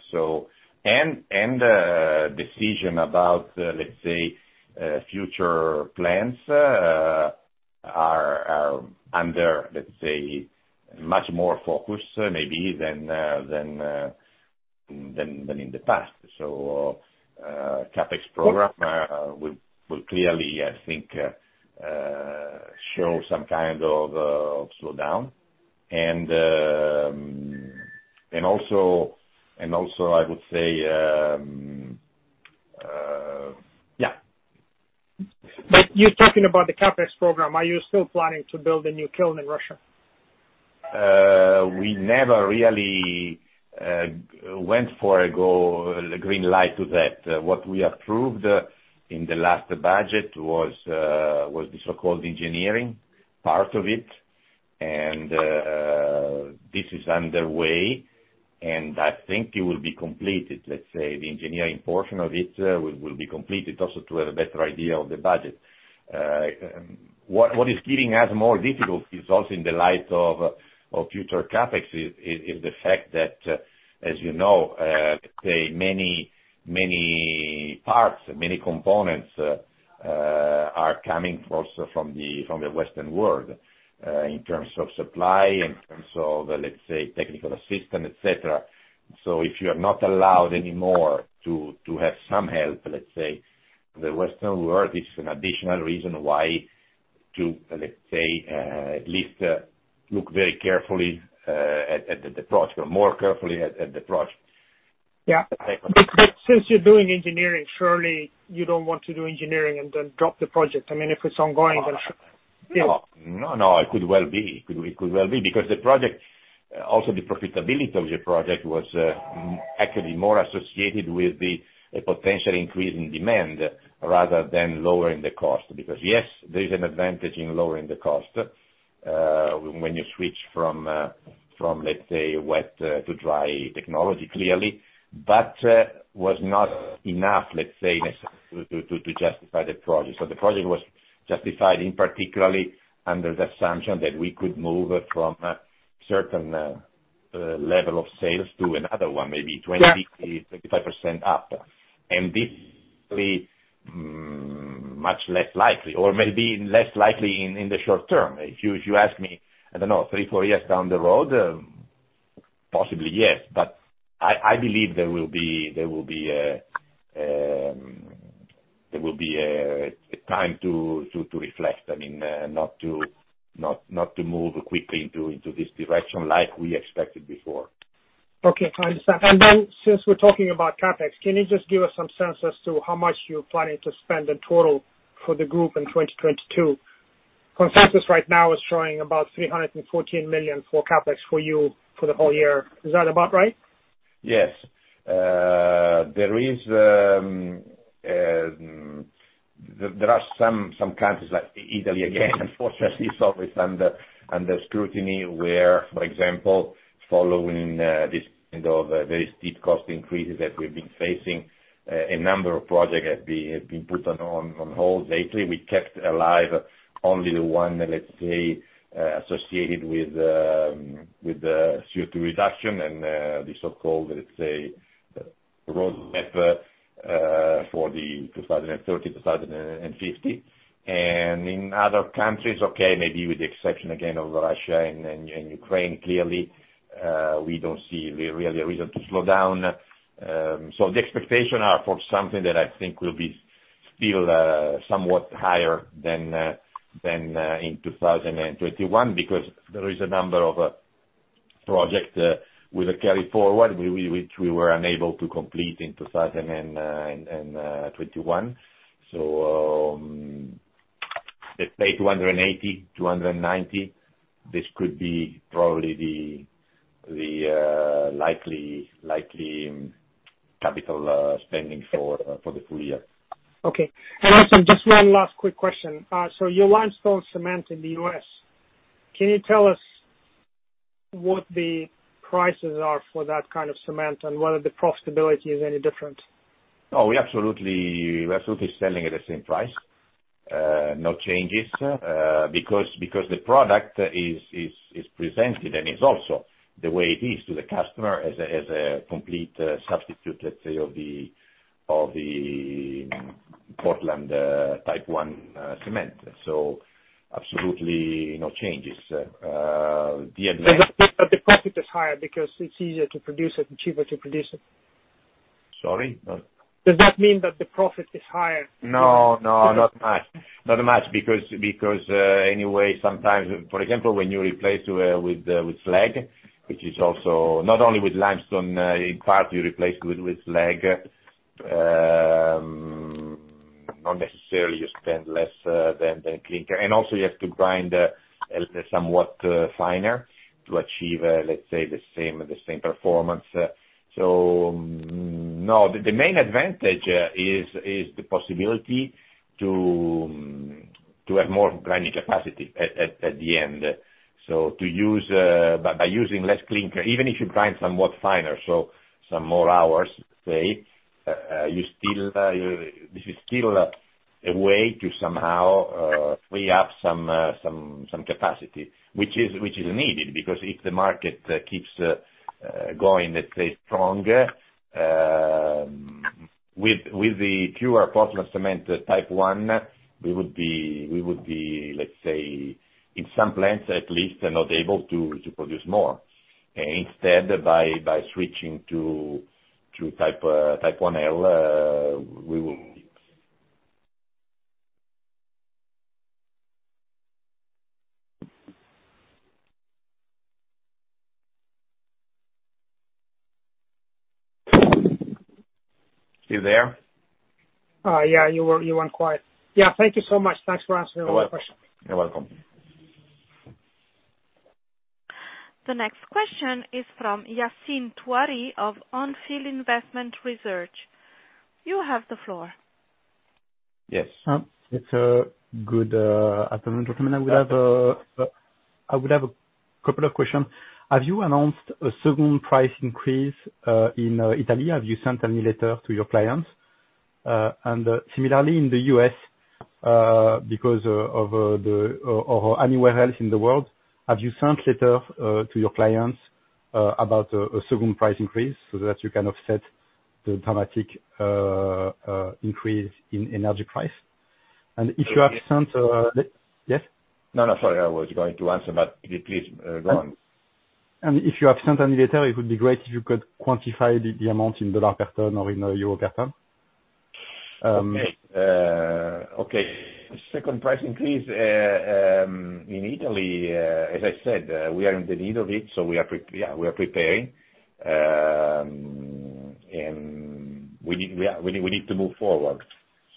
Decision about, let's say, future plans are under, let's say, much more focus maybe than in the past. CapEx program will clearly, I think, show some kind of slowdown. Also I would say, yeah. You're talking about the CapEx program. Are you still planning to build a new kiln in Russia? We never really went for a green light to that. What we approved in the last budget was the so-called engineering part of it. This is underway, and I think it will be completed, let's say, the engineering portion of it will be completed also to have a better idea of the budget. What is giving us more difficulty is also in the light of future CapEx the fact that, as you know, let's say many parts, many components are coming also from the Western world in terms of supply, in terms of, let's say, technical assistance, et cetera. If you are not allowed anymore to have some help, let's say, the Western world is an additional reason why to, let's say, at least look very carefully at the project. More carefully at the project. Yeah. Since you're doing engineering, surely you don't want to do engineering and then drop the project. I mean, if it's ongoing, then sh- No, it could well be. It could well be because the profitability of the project was actually more associated with the potential increase in demand rather than lowering the cost. Yes, there is an advantage in lowering the cost when you switch from, let's say, wet to dry technology clearly, but it was not enough, let's say, necessarily to justify the project. The project was justified in particular under the assumption that we could move from a certain level of sales to another one, maybe 20, 30, 35% up. This being much less likely or maybe less likely in the short term. If you ask me, I don't know, three, four years down the road, possibly yes, but I believe there will be a time to reflect. I mean, not to move quickly into this direction like we expected before. Okay, I understand. Since we're talking about CapEx, can you just give us some sense as to how much you're planning to spend in total for the group in 2022? Consensus right now is showing about 314 million for CapEx for you for the whole year. Is that about right? Yes. There are some countries like Italy, again, unfortunately, is always under scrutiny, where, for example, following this kind of very steep cost increases that we've been facing, a number of projects have been put on hold lately. We kept alive only the one, let's say, associated with the CO2 reduction and the so-called, let's say, roadmap for 2030-2050. In other countries, okay, maybe with the exception again of Russia and Ukraine clearly, we don't see really a reason to slow down. The expectations are for something that I think will be still somewhat higher than in 2021 because there is a number of projects we'll carry forward which we were unable to complete in 2021. Let's say 280-290; this could be probably the likely capital spending for the full year. Okay. Also, just one last quick question. Your limestone cement in the U.S. Can you tell us what the prices are for that kind of cement and whether the profitability is any different? Oh, we absolutely selling at the same price. No changes because the product is presented and is also the way it is to the customer as a complete substitute, let's say, of the Portland Type I cement. Absolutely no changes. The advantage- The profit is higher because it's easier to produce it, cheaper to produce it. Sorry? Does that mean that the profit is higher? No, not much. Not much because anyway sometimes. For example, when you replace with slag, which is also not only with limestone, in part you replace with slag, not necessarily you spend less than clinker. Also you have to grind somewhat finer to achieve, let's say, the same performance. No, the main advantage is the possibility to have more grinding capacity at the end. To use by using less clinker, even if you grind somewhat finer, so some more hours, say, you still you. This is still a way to somehow free up some capacity, which is needed because if the market keeps going, let's say, strong with the pure Portland cement Type I, we would be, let's say, in some plants at least are not able to produce more. Instead by switching to Type IL, we will. You there? Yeah, you were, you went quiet. Yeah, thank you so much. Thanks for answering all my questions. You're welcome. The next question is from Yassine Touahri of On Field Investment Research. You have the floor. Yes. Good afternoon, gentlemen. I would have a couple of question. Have you announced a second price increase in Italy? Have you sent any letter to your clients? And similarly in the U.S., because of, or anywhere else in the world, have you sent letter to your clients about a second price increase so that you can offset the dramatic increase in energy price? If you have sent, Yes. Yes. No, no, sorry. I was going to answer, but please, go on. If you have sent any letter, it would be great if you could quantify the amount in US dollar per ton or in EUR per ton. Second price increase in Italy, as I said, we are in the need of it, so we are preparing, and we need to move forward.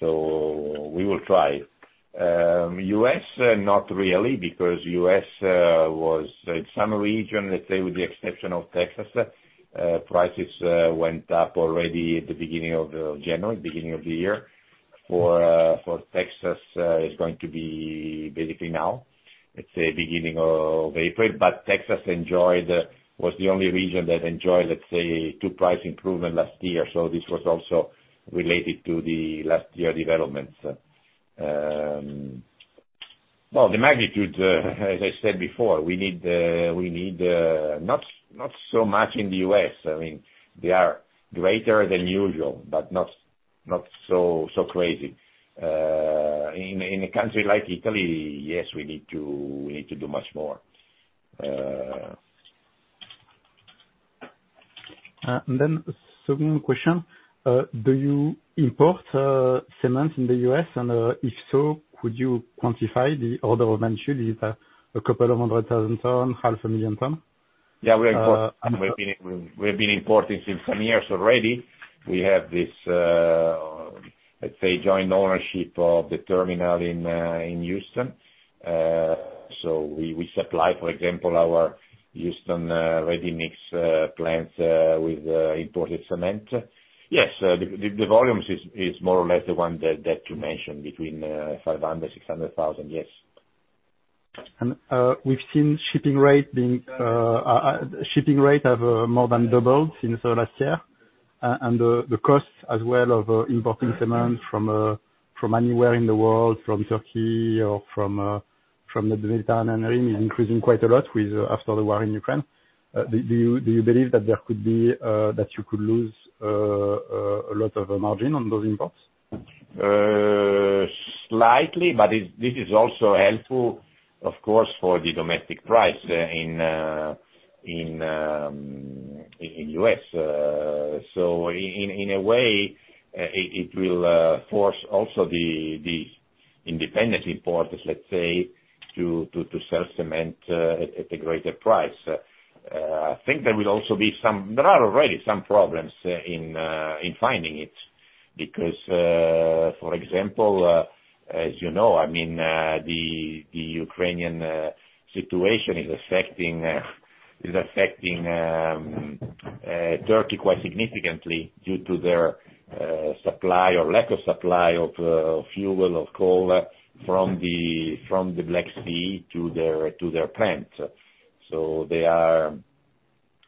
We will try. U.S., not really, because U.S., in some regions, let's say with the exception of Texas, prices went up already at the beginning of January, beginning of the year. For Texas, it's going to be basically now. Let's say beginning of April. Texas enjoyed, was the only region that enjoyed, let's say, two price improvement last year, so this was also related to the last year developments. The magnitude, as I said before, we need not so much in the U.S. I mean, they are greater than usual, but not so crazy. In a country like Italy, yes, we need to do much more. Second question, do you import cement in the U.S.? If so, could you quantify the order of magnitude? Is it 200,000 tons, 500,000 tons? Yeah. We have been importing since some years already. We have this, let's say, joint ownership of the terminal in Houston. We supply, for example, our Houston ready mix plants with imported cement. Yes, the volumes is more or less the one that you mentioned between 500,000-600,000. Yes. We've seen shipping rates have more than doubled since last year. The costs as well of importing cement from anywhere in the world, from Turkey or from the Mediterranean is increasing quite a lot after the war in Ukraine. Do you believe that you could lose a lot of margin on those imports? Slightly, but this is also helpful, of course, for the domestic price in the U.S. So in a way, it will force the independent importers, let's say, to sell cement at a greater price. I think there are already some problems in finding it because, for example, as you know, I mean, the Ukrainian situation is affecting Turkey quite significantly due to their supply or lack of supply of fuel of coal from the Black Sea to their plants.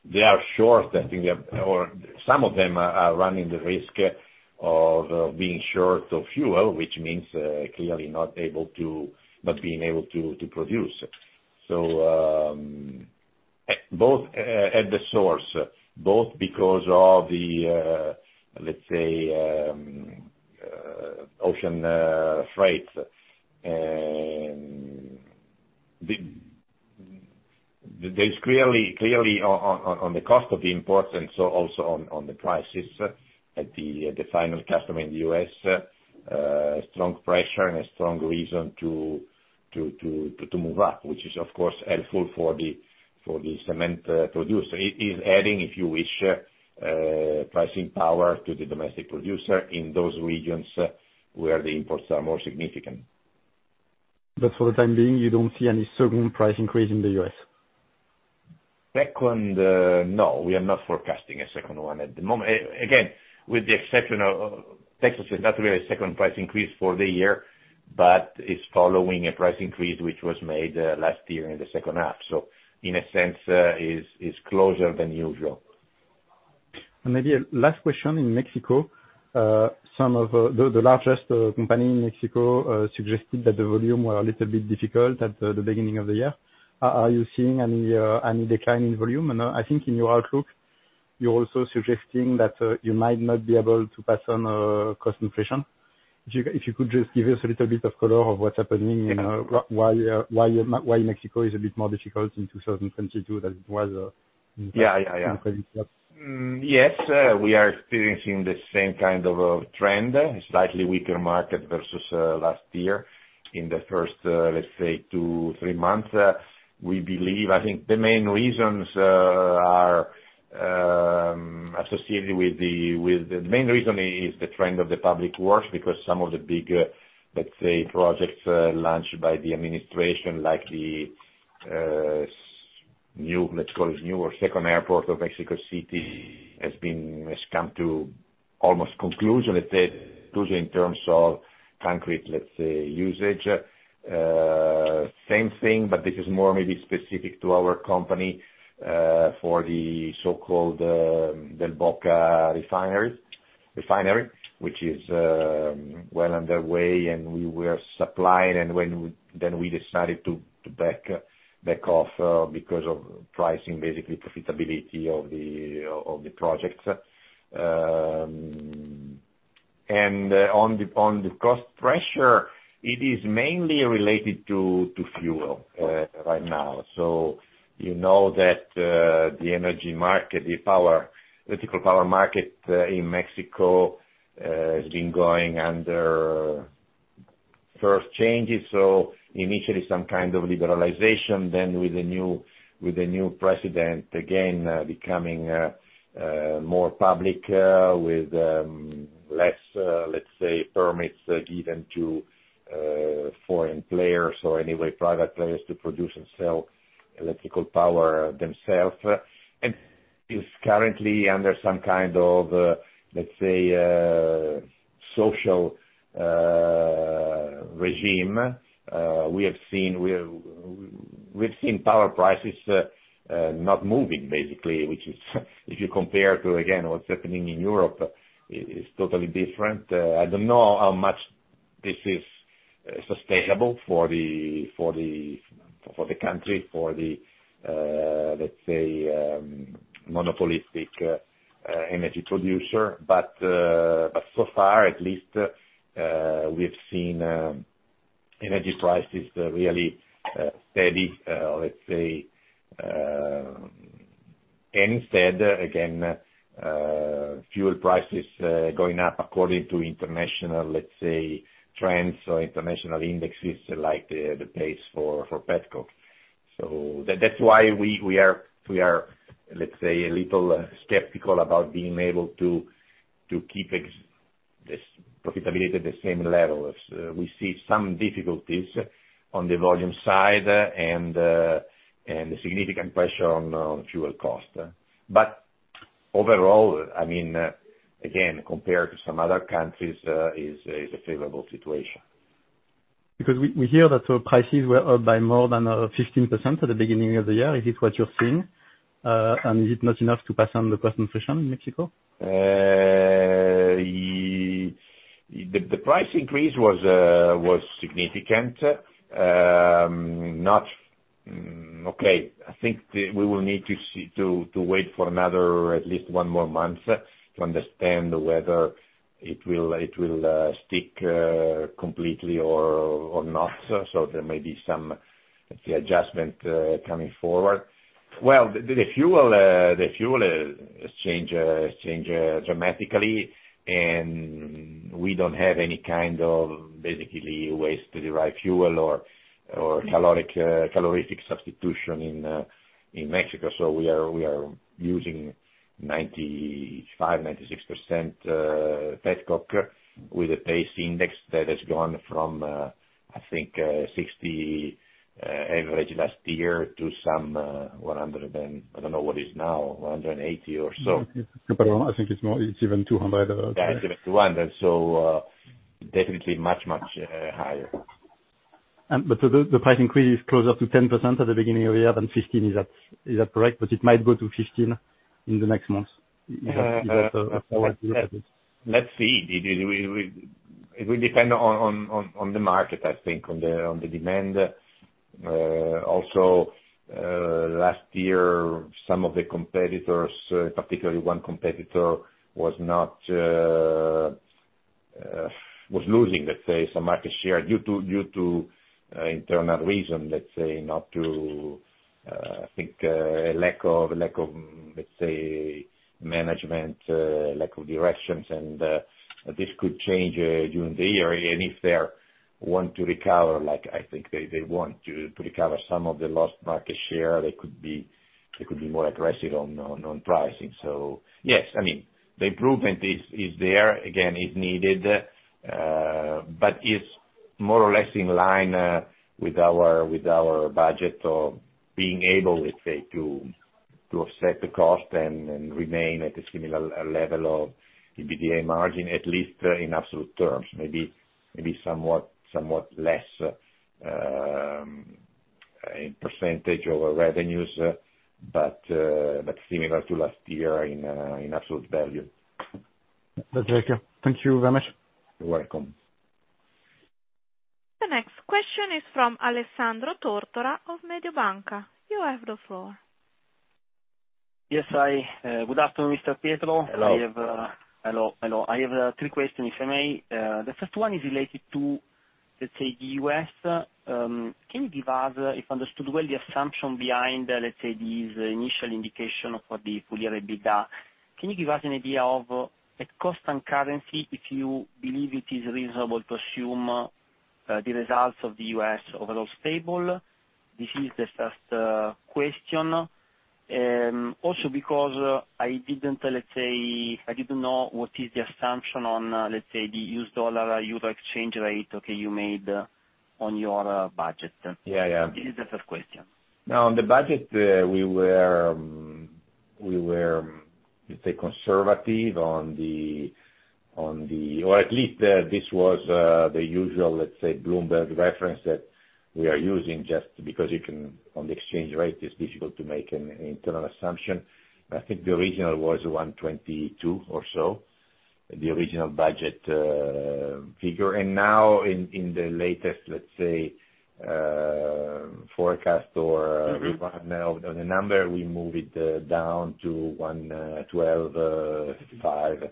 They are short, I think, or some of them are running the risk of being short of fuel, which means clearly not being able to produce. Both at the source, both because of the, let's say, ocean freight, there's clearly strong pressure on the cost of the imports and so also on the prices at the final customer in the U.S., and a strong reason to move up, which is of course helpful for the cement producer. It is adding, if you wish, pricing power to the domestic producer in those regions where the imports are more significant. For the time being, you don't see any second price increase in the U.S.? Second, no. We are not forecasting a second one at the moment. Again, with the exception of Texas, it is not really a second price increase for the year, but it is following a price increase which was made last year in the second half. In a sense, it is closer than usual. Maybe a last question in Mexico. Some of the largest company in Mexico suggested that the volume were a little bit difficult at the beginning of the year. Are you seeing any decline in volume? I think in your outlook, you're also suggesting that you might not be able to pass on cost inflation. If you could just give us a little bit of color of what's happening and why Mexico is a bit more difficult in 2022 than it was. Yeah. Yeah, yeah in previous years. Yes, we are experiencing the same kind of a trend, slightly weaker market versus last year in the first, let's say 2-3 months. We believe. I think the main reason is the trend of the public works, because some of the big, let's say projects launched by the administration, like the new or second airport of Mexico City has come to almost conclusion, it's a conclusion in terms of concrete, let's say, usage. Same thing, but this is more maybe specific to our company, for the so-called Dos Bocas refinery, which is well underway and we were supplying and then we decided to back off, because of pricing, basically profitability of the projects. On the cost pressure, it is mainly related to fuel right now. You know that the energy market, the electrical power market in Mexico has been undergoing some changes, so initially some kind of liberalization then with the new president again becoming more public with less, let's say, permits given to foreign players or any private players to produce and sell electrical power themselves. It's currently under some kind of, let's say, social regime. We've seen power prices not moving basically, which is, if you compare again to what's happening in Europe, it is totally different. I don't know how much this is sustainable for the country, for the monopolistic energy producer. So far at least, we have seen energy prices really steady, let's say, instead, again, fuel prices going up according to international, let's say trends or international indexes like the Argus for petcoke. That's why we are let's say a little skeptical about being able to keep this profitability at the same level. We see some difficulties on the volume side and significant pressure on the fuel cost. Overall, I mean, again compared to some other countries, it is a favorable situation. Because we hear that prices were up by more than 15% at the beginning of the year. Is it what you're seeing? Is it not enough to pass on the cost inflation in Mexico? The price increase was significant. We will need to wait for at least one more month to understand whether it will stick completely or not. There may be some, let's say, adjustment coming forward. The fuel has changed dramatically and we don't have any kind of basically ways to derive fuel or calorific substitution in Mexico. We are using 95%-96% petcoke with an Argus index that has gone from, I think, $60 average last year to some $100 and I don't know what is now, $180 or so. I think it's more, it's even 200. It's even 200. Definitely much, much higher. The price increase is closer to 10% at the beginning of the year than 15%. Is that correct? It might go to 15% in the next months. Is that how I can look at it? Let's see. It will depend on the market, I think, on the demand. Also, last year, some of the competitors, particularly one competitor, was losing, let's say some market share due to internal reason, let's say, not to, I think, lack of, let's say management, lack of directions. This could change during the year. If they want to recover, like I think they want to recover some of the lost market share, they could be more aggressive on pricing. Yes, I mean, the improvement is there, again, is needed, but it's more or less in line with our budget of being able, let's say, to offset the cost and remain at a similar level of EBITDA margin, at least in absolute terms. Maybe somewhat less in percentage of our revenues, but similar to last year in absolute value. Thank you. Thank you very much. You're welcome. The next question is from Alessandro Tortora of Mediobanca. You have the floor. Yes. Hi. Good afternoon, Mr. Pietro. Hello. I have three questions, if I may. The first one is related to, let's say, U.S. Can you give us, if I understood well, the assumption behind, let's say, these initial indication for the full year EBITDA? Can you give us an idea of at cost and currency, if you believe it is reasonable to assume the results of the U.S. overall stable? This is the first question. Also because I didn't, let's say, know what is the assumption on, let's say, the US dollar/euro exchange rate, okay, you made on your budget. Yeah, yeah. This is the first question. Now, on the budget, we were, let's say, conservative on the, or at least, this was the usual, let's say, Bloomberg reference that we are using just because you can, on the exchange rate, it's difficult to make an internal assumption. I think the original was 1.22 or so, the original budget figure. Now in the latest, let's say, forecast or- Mm-hmm. The number, we move it down to 125.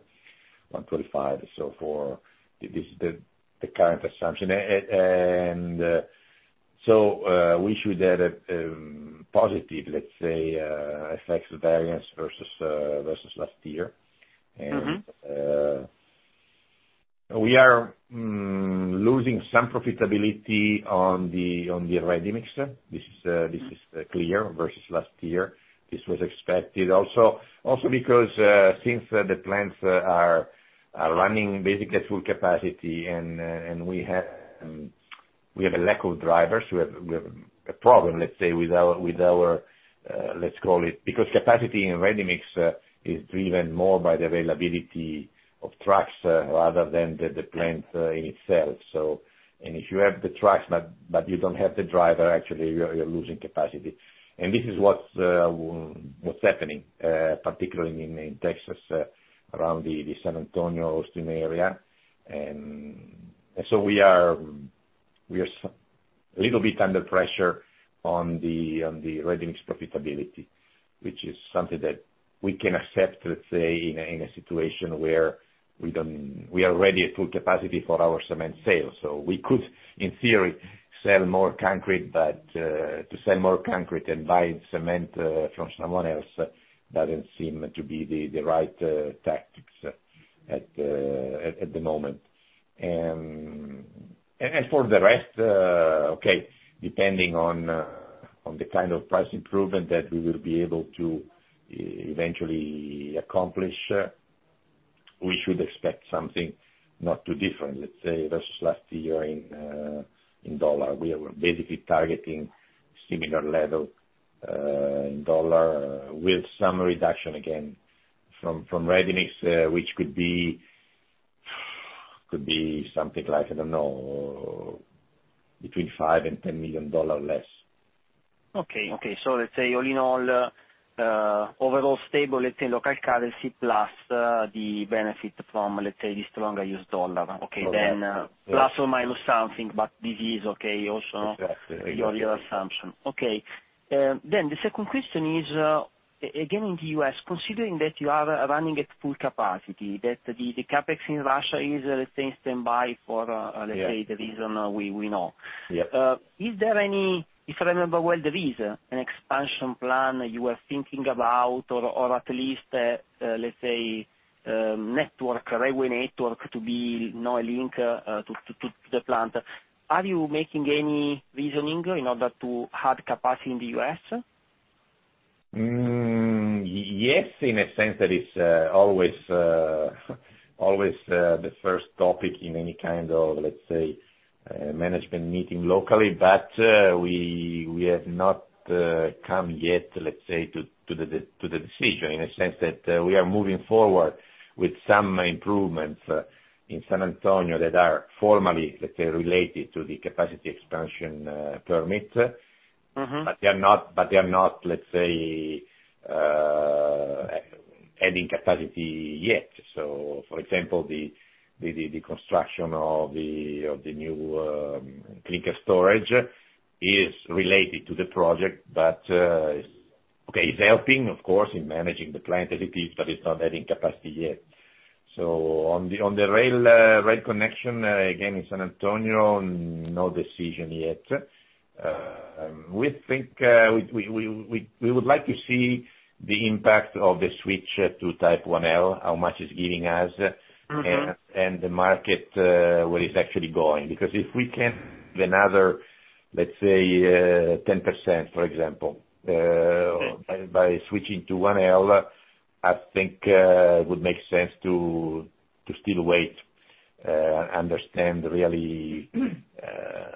125. This is the current assumption. We should add positive, let's say, FX variance versus last year. We are losing some profitability on the ready-mix. This is clear versus last year. This was expected also because the plants are running basically at full capacity and we have a lack of drivers. We have a problem, let's say, with our, let's call it. Because capacity in ready-mix is driven more by the availability of trucks rather than the plant in itself. If you have the trucks but you don't have the driver, actually you're losing capacity. This is what's happening, particularly in Texas, around the San Antonio, Austin area. We are a little bit under pressure on the ready-mix profitability, which is something that we can accept, let's say, in a situation where we are already at full capacity for our cement sales. We could, in theory, sell more concrete, but to sell more concrete and buy cement from someone else doesn't seem to be the right tactics at the moment. For the rest, okay, depending on the kind of price improvement that we will be able to eventually accomplish, we should expect something not too different, let's say versus last year in dollar. We are basically targeting similar level in dollar with some reduction, again from ready-mix, which could be something like, I don't know, between $5 million and $10 million less. Okay. Let's say all in all, overall stable, let's say local currency plus, the benefit from, let's say the stronger US dollar. Okay. Okay. Plus or minus something, but this is okay also. Exactly. Your assumption. Okay. Then the second question is, again, in the U.S., considering that you are running at full capacity, that the CapEx in Russia is, let's say, on standby for, Yeah. Let's say, the reason we know. Yeah. If I remember well, there is an expansion plan you are thinking about or at least, let's say, network, railway network to be now a link to the plant. Are you making any reasoning in order to add capacity in the U.S.? Yes, in a sense that it's always the first topic in any kind of, let's say, management meeting locally. We have not come yet, let's say, to the decision in a sense that we are moving forward with some improvements in San Antonio that are formally, let's say, related to the capacity expansion permit. Mm-hmm. They are not, let's say, adding capacity yet. For example, the construction of the new clinker storage is related to the project, but okay, it's helping of course in managing the plant as it is, but it's not adding capacity yet. On the rail connection, again in San Antonio, no decision yet. We think we would like to see the impact of the switch to Type IL, how much it's giving us- Mm-hmm. The market where it's actually going. Because if we can't get another, let's say, 10%, for example, by switching to Type IL, I think it would make sense to still wait to really understand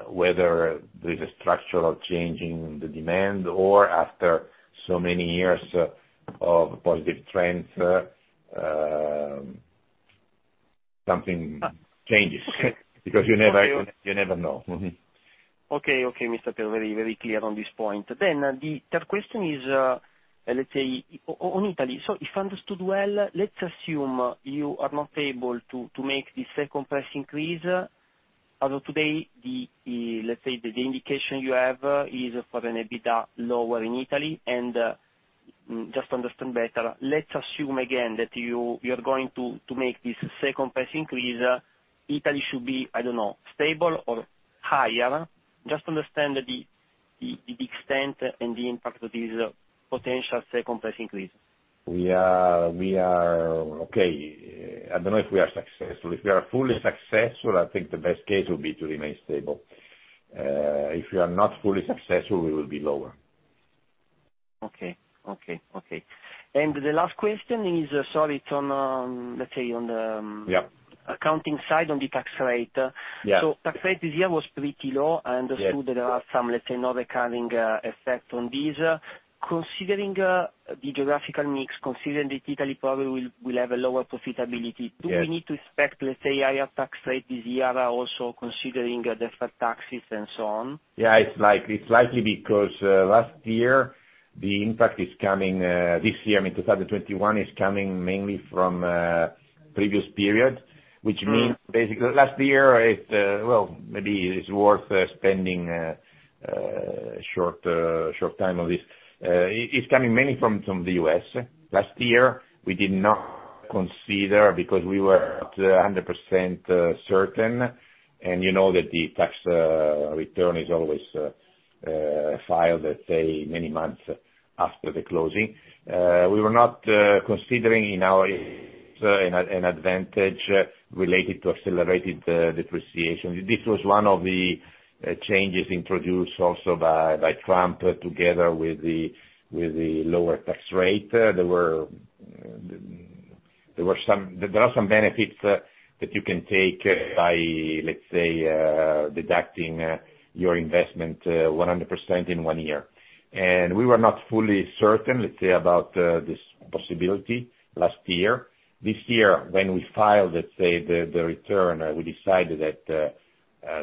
whether there's a structural change in the demand or, after so many years of positive trends, something changes. Because you never Okay. You never know. Mm-hmm. Mr. Pietro, very, very clear on this point. The third question is, let's say on Italy. If understood well, let's assume you are not able to make the second price increase. As of today, the indication you have is for an EBITDA lower in Italy. Just to understand better, let's assume again that you're going to make this second price increase. Italy should be, I don't know, stable or higher? Just to understand the extent and the impact of this potential second price increase. Okay. I don't know if we are successful. If we are fully successful, I think the best case would be to remain stable. If we are not fully successful, we will be lower. Okay. The last question is, sorry, it's on, let's say, on the- Yeah. accounting side, on the tax rate. Yeah. Tax rate this year was pretty low. Yes. I understood that there are some, let's say, non-recurring effect on this. Considering the geographical mix, considering that Italy probably will have a lower profitability. Yeah. Do we need to expect, let's say, higher tax rate this year, also considering deferred taxes and so on? Yeah, it's likely. It's likely because last year the impact is coming this year, I mean, 2021, is coming mainly from previous period. Mm. Which means basically last year it, well, maybe it's worth spending short time on this. It's coming mainly from the U.S. Last year we did not consider because we were not 100% certain, and you know that the tax return is always filed, let's say many months after the closing. We were not considering an advantage related to accelerated depreciation. This was one of the changes introduced also by Trump together with the lower tax rate. There are some benefits that you can take by, let's say, deducting your investment 100% in one year. We were not fully certain, let's say, about this possibility last year. This year, when we filed, let's say, the return, we decided that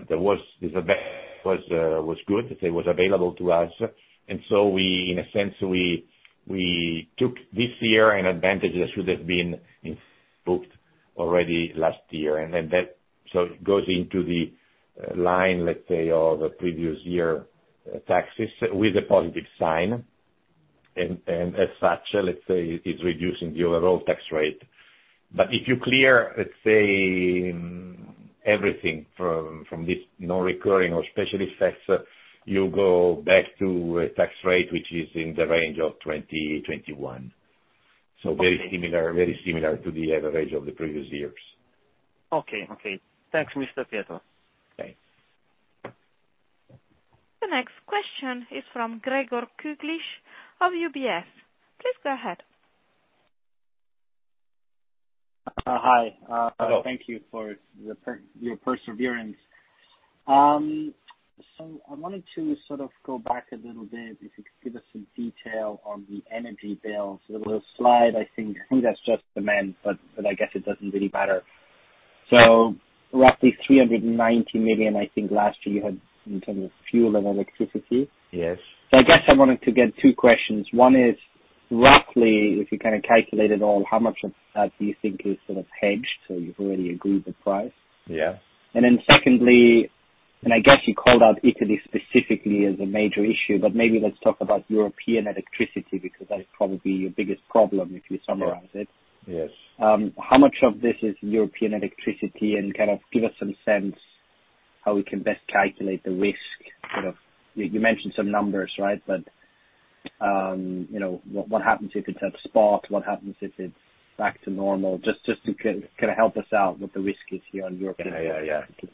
there was this, which was good, let's say it was available to us. We, in a sense, took this year an advantage that should have been booked already last year. That goes into the line, let's say, of the previous year taxes with a positive sign. As such, let's say it's reducing the overall tax rate. If you clear, let's say, everything from this non-recurring or special effects, you go back to a tax rate which is in the range of 21%. Okay. Very similar to the average of the previous years. Okay. Thanks, Mr. Pietro. Okay. The next question is from Gregor Kuglitsch of UBS. Please go ahead. Hi. Hello. Thank you for your perseverance. I wanted to sort of go back a little bit, if you could give us some detail on the energy bills. The little slide, I think that's just demand, but I guess it doesn't really matter. Roughly 390 million, I think last year you had in terms of fuel and electricity. Yes. I guess I wanted to get two questions. One is, roughly, if you kind of calculate it all, how much of that do you think is sort of hedged, so you've already agreed the price? Yeah. Secondly, and I guess you called out Italy specifically as a major issue, but maybe let's talk about European electricity, because that is probably your biggest problem, if you summarize it. Yes. How much of this is European electricity? Kind of give us some sense how we can best calculate the risk. Kind of you mentioned some numbers, right? You know, what happens if it's at spot? What happens if it's back to normal? Just to kind of help us out what the risk is here on European electricity. Yeah.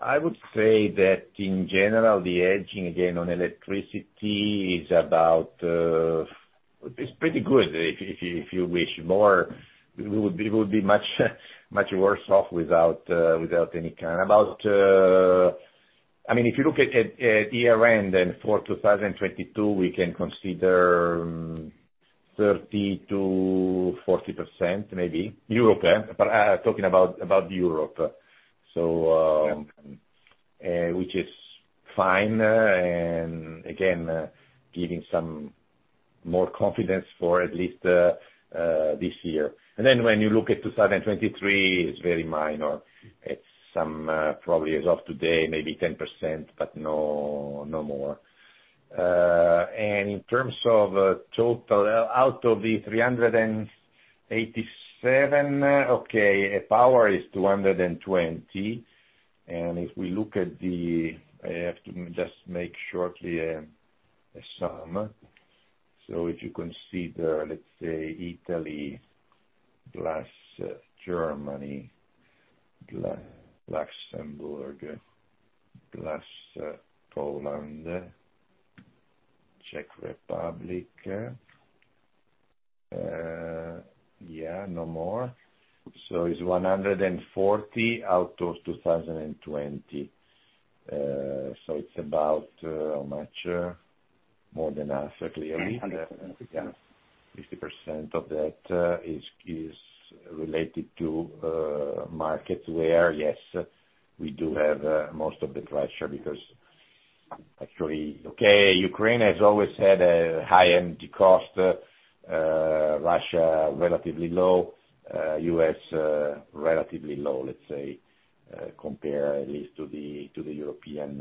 I would say that in general, the hedging, again, on electricity is about, it's pretty good, if you wish more, we would be much worse off without any kind. I mean, if you look at EUR, then for 2022 we can consider 30%-40% maybe. Europe, but talking about Europe, which is fine, and again, giving some more confidence for at least this year. Then when you look at 2023, it's very minor. It's some, probably as of today, maybe 10%, but no more. In terms of total, out of the 387. Okay, power is 220. If we look at the I have to just make a sum shortly. If you consider, let's say Italy plus Germany, Luxembourg plus Poland, Czech Republic. Yeah, no more. It's 140 out of 2,020. It's about, how much? More than half, clearly. Yeah. 50% of that is related to markets where, yes, we do have most of the pressure because actually, okay, Ukraine has always had a high energy cost, Russia relatively low, U.S. relatively low, let's say, compared at least to the European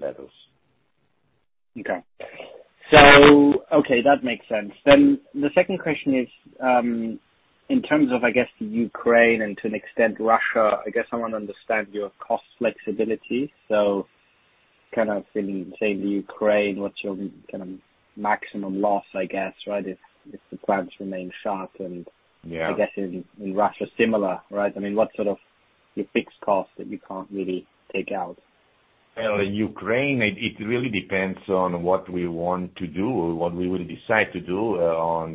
levels. Okay, that makes sense. The second question is, in terms of, I guess, Ukraine and to an extent Russia, I guess I want to understand your cost flexibility. Kind of in, say, the Ukraine, what's your kind of maximum loss, I guess, right? If the plants remain shut and- Yeah. I'm guessing in Russia similar, right? I mean, what sort of your fixed costs that you can't really take out? Well, Ukraine, it really depends on what we want to do, what we will decide to do, on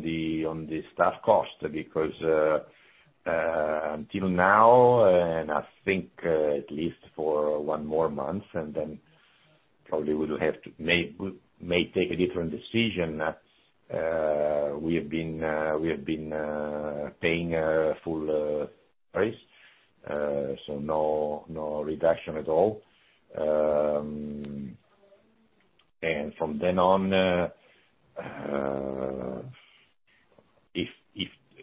the staff cost. Because until now, and I think at least for one more month, and then probably we will have to. We may take a different decision. We have been paying full price. No reduction at all. From then on, if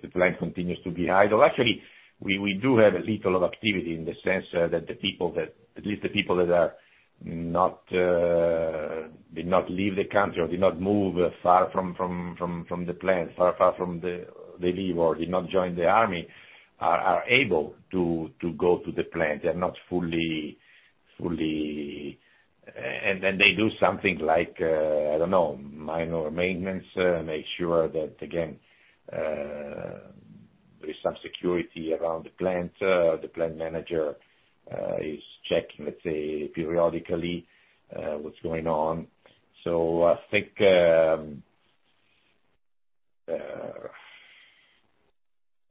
the plant continues to be idle. Actually, we do have a little activity in the sense that at least the people that did not leave the country or did not move far from the plant, far from where they live or did not join the army, are able to go to the plant. They're not fully. And then they do something like, I don't know, minor maintenance, make sure that again there's some security around the plant. The plant manager is checking, let's say, periodically, what's going on. I think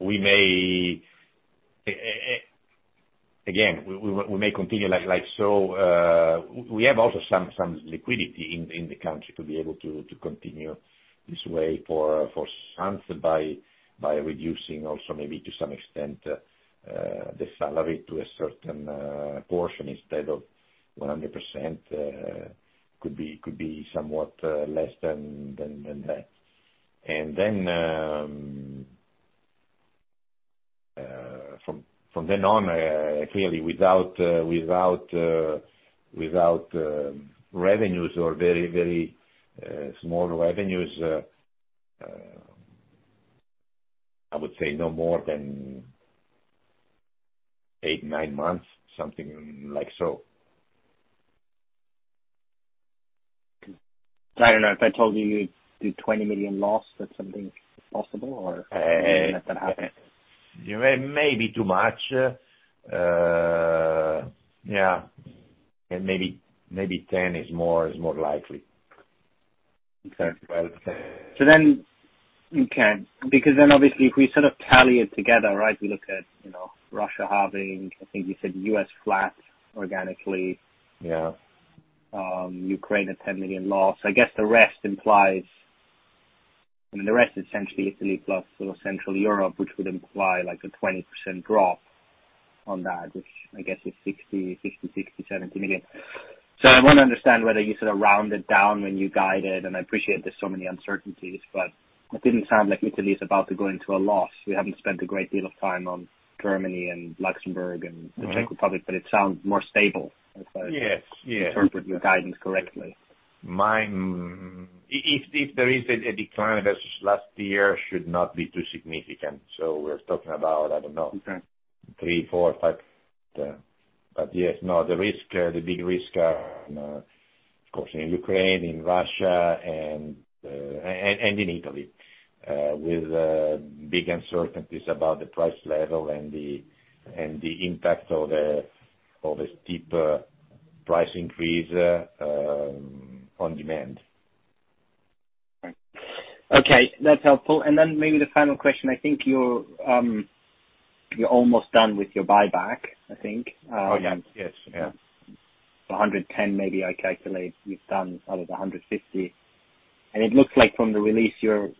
we may again continue like so. We have also some liquidity in the country to be able to continue this way for months by reducing also maybe to some extent the salary to a certain portion instead of 100%. It could be somewhat less than that. From then on, clearly without revenues or very small revenues, I would say no more than 8-9 months, something like so. I don't know, if I told you you'd do 20 million loss, that's something possible or Uh, uh- You wouldn't let that happen? It may be too much. Yeah. Maybe 10 is more likely. Okay. Well, uh- Okay. Because then obviously if we sort of tally it together, right? We look at, you know, Russia halving, I think you said U.S. flat organically. Yeah. Ukraine at 10 million loss. I guess the rest implies. I mean, the rest is essentially Italy plus sort of central Europe, which would imply like a 20% drop on that, which I guess is 60-70 million. I wanna understand whether you sort of rounded down when you guided, and I appreciate there's so many uncertainties, but it didn't sound like Italy is about to go into a loss. We haven't spent a great deal of time on Germany and Luxembourg and the Czech Republic, but it sounds more stable. Yes. Yeah. If I interpret your guidance correctly. If there is a decline versus last year, it should not be too significant. We're talking about, I don't know. Okay. three, four, five. Yes, no, the big risk are of course in Ukraine, in Russia and in Italy with big uncertainties about the price level and the impact of the steep price increase on demand. Okay. That's helpful. Maybe the final question. I think you're almost done with your buyback, I think. Oh, yeah. Yes. Yeah. 110, maybe I calculate, you've done out of the 150. It looks like from the release you're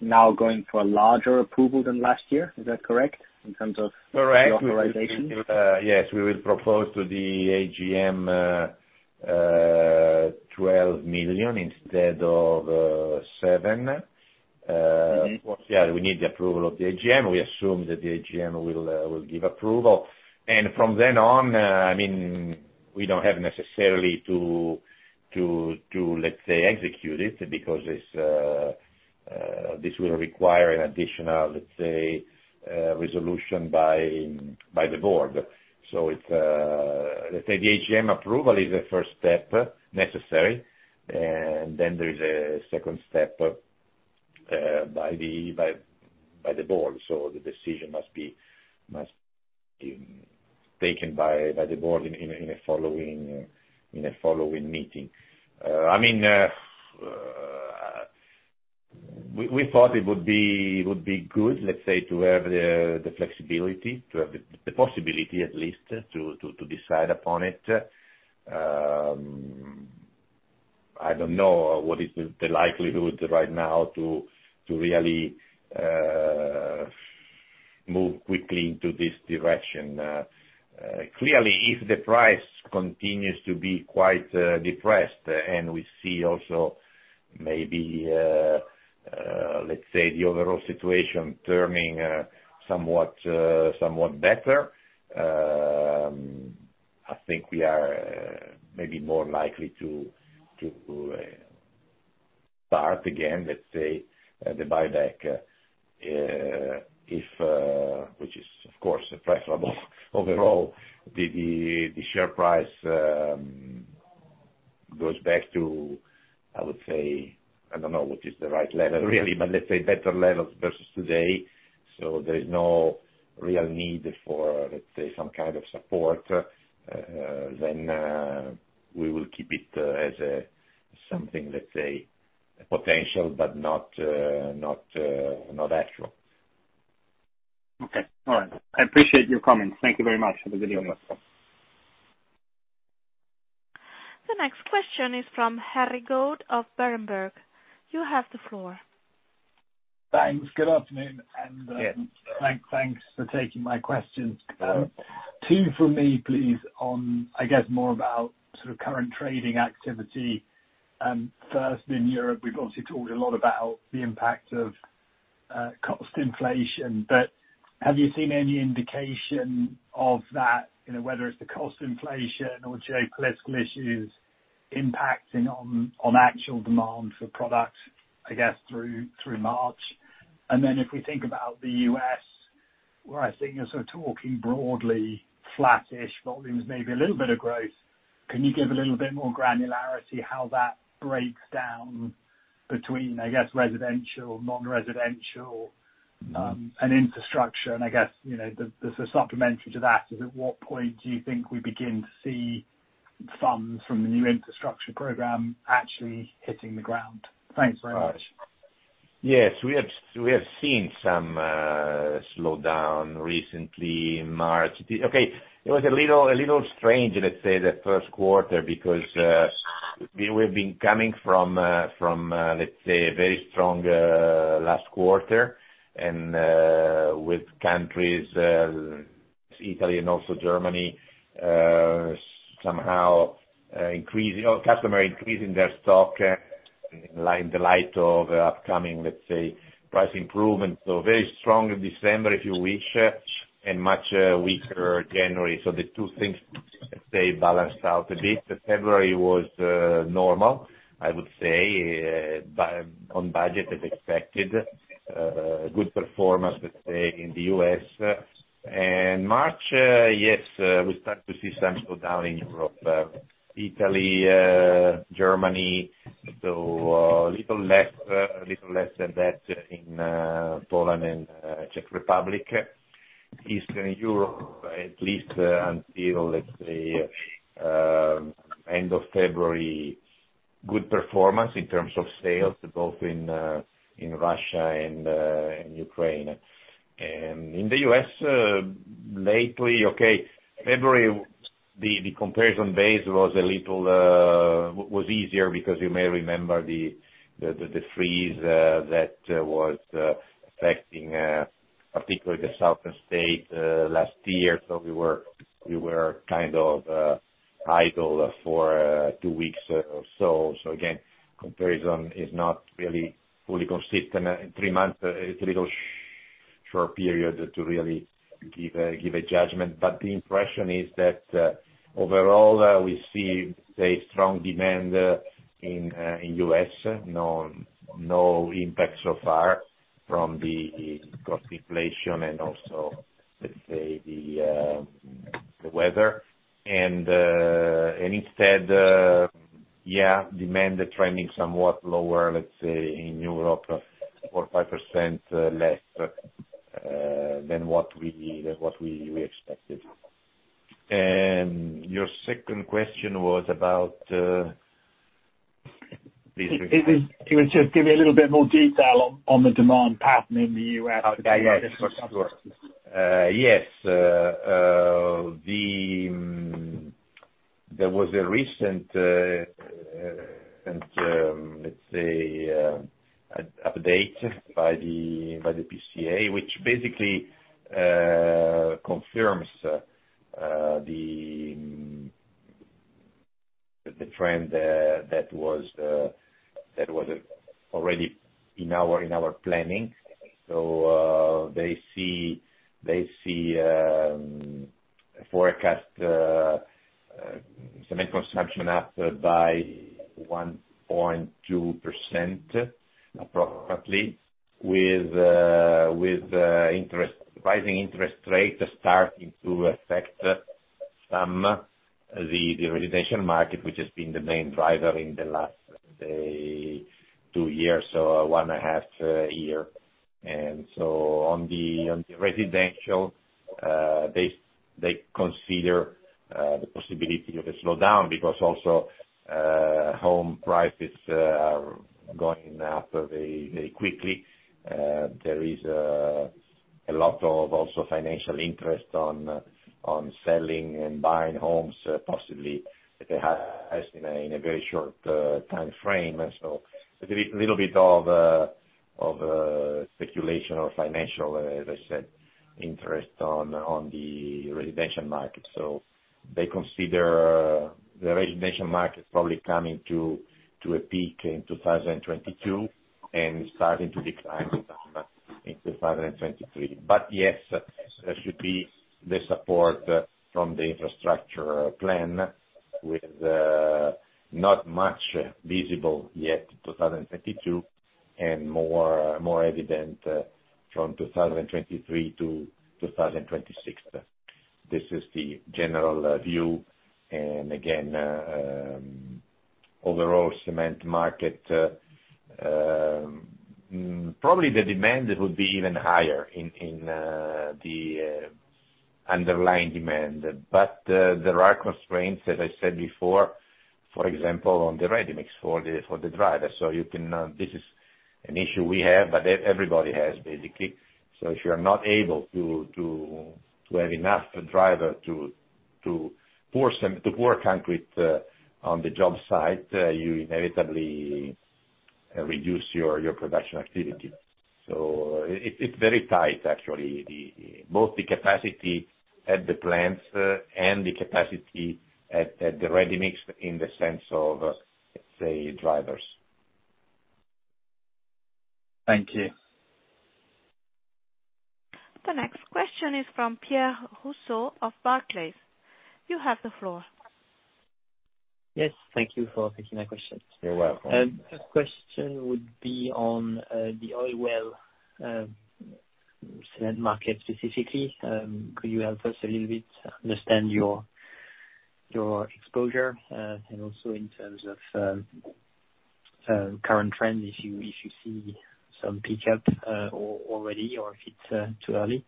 now going for a larger approval than last year. Is that correct? In terms of- Correct. the authorization. Yes. We will propose to the AGM 12 million instead of 7 million. Mm-hmm. Yeah, we need the approval of the AGM. We assume that the AGM will give approval. From then on, I mean, we don't have necessarily to let's say execute it because this will require an additional let's say resolution by the board. It's let's say the AGM approval is the first step necessary, and then there is a second step by the board. The decision must be taken by the board in a following meeting. I mean, we thought it would be good, let's say, to have the flexibility, to have the possibility at least to decide upon it. I don't know what is the likelihood right now to really move quickly into this direction. Clearly, if the price continues to be quite depressed and we see also maybe, let's say, the overall situation turning somewhat better, I think we are maybe more likely to start again, let's say, the buyback if, which is of course appreciable overall, the share price goes back to, I would say, I don't know what is the right level really, but let's say better levels versus today, so there is no real need for, let's say, some kind of support. Then we will keep it as something, let's say, potential but not actual. Okay. All right. I appreciate your comments. Thank you very much for the You're welcome. The next question is from Harry Goad of Berenberg. You have the floor. Thanks. Good afternoon. Yes. Thanks for taking my questions. Two for me, please, on I guess more about sort of current trading activity, first in Europe, we've obviously talked a lot about the impact of cost inflation. Have you seen any indication of that, you know, whether it's the cost inflation or geopolitical issues impacting on actual demand for products, I guess, through March? Then if we think about the U.S., where I think you're sort of talking broadly flat-ish volumes, maybe a little bit of growth, can you give a little bit more granularity how that breaks down between, I guess, residential, non-residential, and infrastructure? I guess, you know, the sort of supplementary to that is at what point do you think we begin to see funds from the new infrastructure program actually hitting the ground? Thanks very much. Yes. We have seen some slowdown recently in March. Okay, it was a little strange, let's say, the first quarter because we've been coming from, let's say a very strong last quarter. With countries Italy and also Germany somehow customers increasing their stock in light of upcoming, let's say, price improvements. Very strong December, if you wish, and much weaker January. The two things, let's say, balanced out a bit. February was normal, I would say, on budget as expected. Good performance, let's say, in the U.S. March, yes, we start to see some slowdown in Europe, Italy, Germany. A little less than that in Poland and Czech Republic. Eastern Europe at least until, let's say, end of February, good performance in terms of sales both in Russia and in Ukraine. In the U.S., lately, okay, February, the comparison base was a little was easier because you may remember the freeze that was affecting particularly the southern state last year, so we were kind of idle for two weeks or so. Again, comparison is not really fully consistent. In three months, it's a little short period to really give a judgment. The impression is that overall we see a strong demand in the U.S. No impact so far from the cost inflation and also, let's say, the weather. Instead, demand trending somewhat lower, let's say in Europe, 4%-5% less than what we expected. Your second question was about... Please remind. Just give me a little bit more detail on the demand pattern in the U.S. Oh, yeah, yes. For sure. There was a recent update by the PCA, which basically confirms the trend that was already in our planning. They see forecast cement consumption up by 1.2% approximately with rising interest rates starting to affect the residential market, which has been the main driver in the last, let's say, two years or one and a half year. They consider the possibility of a slowdown on the residential because also home prices are going up very quickly. There is a lot of also financial interest on selling and buying homes, possibly as in a very short timeframe. A little bit of speculation or financial, as I said, interest on the residential market. They consider the residential market probably coming to a peak in 2022 and starting to decline in 2023. Yes, there should be the support from the infrastructure plan with not much visible yet in 2022, and more evident from 2023 to 2026. This is the general view. Again, overall cement market, probably the demand it would be even higher in the underlying demand. There are constraints, as I said before, for example on the ready-mix for the driver. This is an issue we have, but everybody has basically. If you are not able to have enough driver to pour concrete on the job site, you inevitably reduce your production activity. It's very tight actually, both the capacity at the plants and the capacity at the ready-mix in the sense of, let's say, drivers. Thank you. The next question is from Pierre Rousseau of Barclays. You have the floor. Yes, thank you for taking my questions. You're welcome. First question would be on the oil well cement market specifically. Could you help us a little bit understand your exposure and also in terms of current trend, if you see some pickup already, or if it's too early?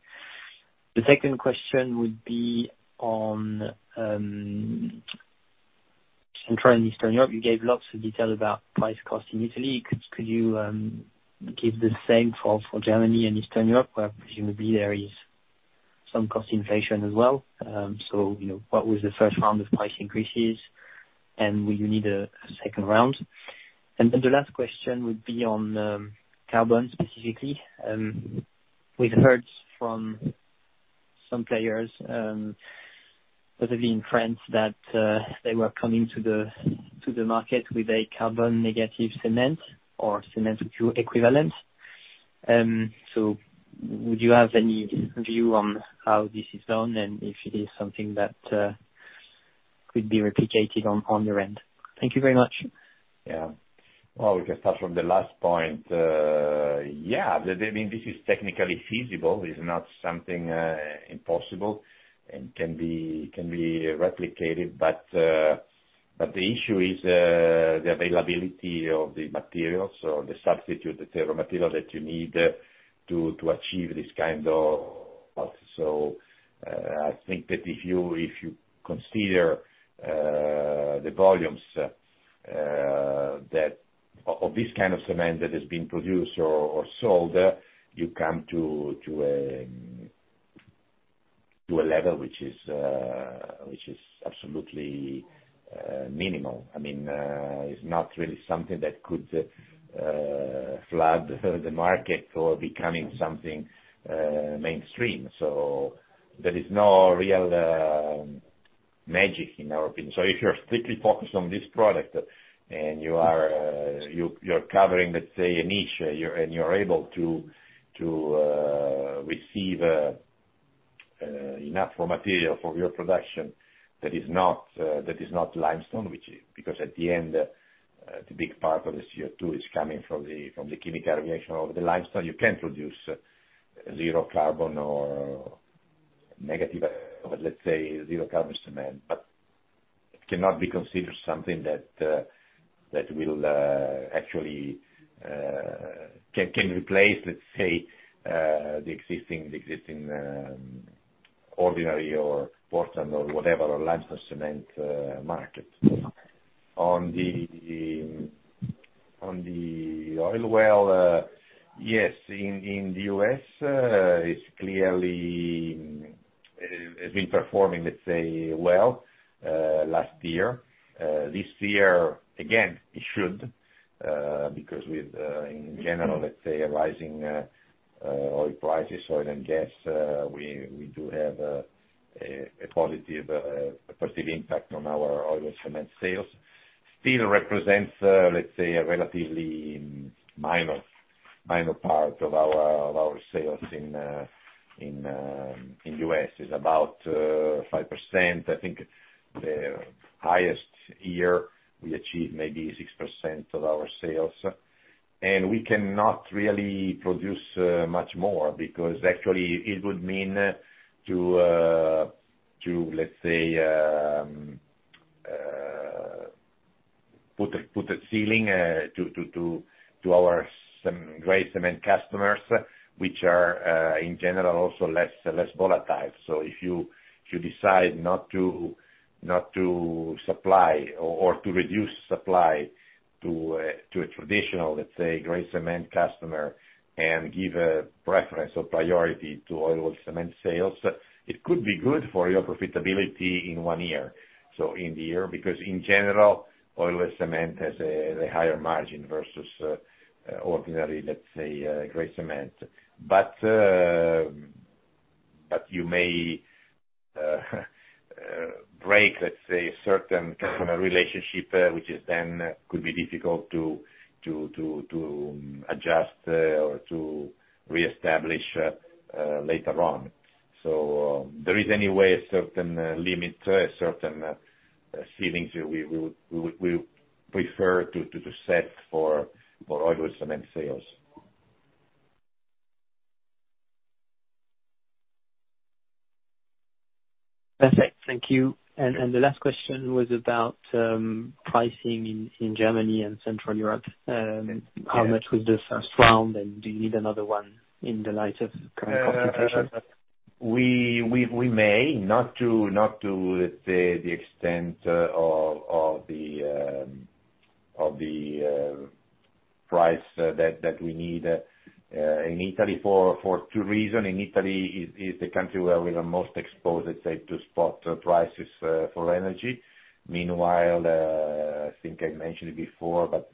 The second question would be on Central and Eastern Europe. You gave lots of detail about price cost in Italy. Could you give the same for Germany and Eastern Europe, where presumably there is some cost inflation as well? You know, what was the first round of price increases? Will you need a second round? The last question would be on carbon specifically. We've heard from some players, particularly in France, that they were coming to the market with a carbon-negative cement or CO2 equivalent. Would you have any view on how this is done and if it is something that could be replicated on your end? Thank you very much. Yeah. Well, we can start from the last point. Yeah, I mean, this is technically feasible. It's not something impossible and can be replicated. But the issue is the availability of the materials or the substitute, the third material that you need to achieve this kind of. I think that if you consider the volumes of this kind of cement that is being produced or sold, you come to a level which is absolutely minimal. I mean, it's not really something that could flood the market or becoming something mainstream. There is no real magic in our opinion. If you're strictly focused on this product and you're covering, let's say, a niche, and you're able to receive enough raw material for your production, that is not limestone, which is because at the end, the big part of the CO2 is coming from the chemical reaction of the limestone. You can produce zero carbon or negative, let's say, zero carbon cement, but it cannot be considered something that will actually can replace, let's say, the existing ordinary or Portland or whatever limestone cement market. On the oil well, yes, in the U.S., it's clearly has been performing, let's say, well last year. This year, again, it should because with in general, let's say, rising oil prices, oil and gas, we do have a positive impact on our oil well cement sales. It still represents, let's say, a relatively minor part of our sales in the U.S. It is about 5%. I think the highest year we achieved maybe 6% of our sales. We cannot really produce much more because actually it would mean to let's say put a ceiling to our gray cement customers, which are in general also less volatile. If you decide not to supply or to reduce supply to a traditional, let's say, gray cement customer and give a preference or priority to oil cement sales, it could be good for your profitability in one year. In the year, because in general, oil cement has a higher margin versus ordinary, let's say, gray cement. But you may break, let's say, certain customer relationship, which is then could be difficult to adjust or to reestablish later on. There is any way a certain limit, a certain ceilings we would prefer to set for oil and gas sales. Perfect. Thank you. The last question was about pricing in Germany and Central Europe. Yes. How much was this first round, and do you need another one in the light of current complications? We may not to the extent of the price that we need in Italy for two reasons. In Italy is the country where we are most exposed, let's say, to spot prices for energy. Meanwhile, I think I mentioned it before, but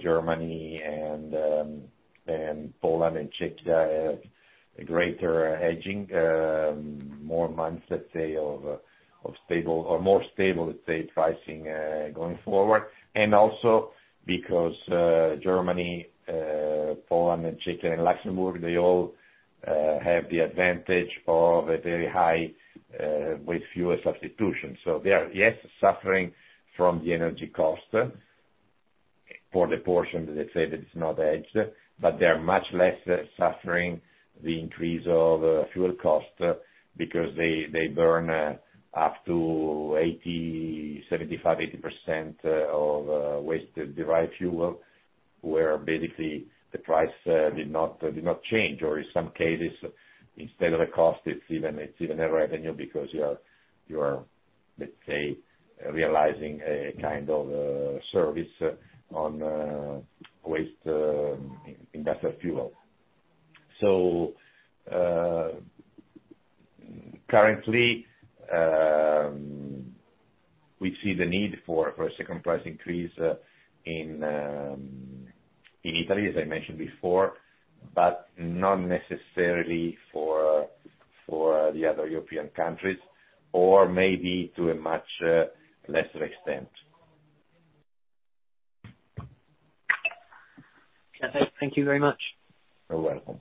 Germany and Poland and Czech have greater hedging, more months, let's say, of stable or more stable pricing going forward. Also because Germany, Poland, and Czech, and Luxembourg, they all have the advantage of a very high with fewer substitutions. They are, yes, suffering from the energy cost for the portion, let's say that it's not hedged, but they are much less suffering the increase of fuel cost because they burn up to 75%-80% of waste-derived fuel, where basically the price did not change. Or in some cases instead of a cost, it's even a revenue because you are, let's say, realizing a kind of service on waste in lieu of fuel. Currently, we see the need for a second price increase in Italy, as I mentioned before, but not necessarily for the other European countries, or maybe to a much lesser extent. Okay, thank you very much. You're welcome.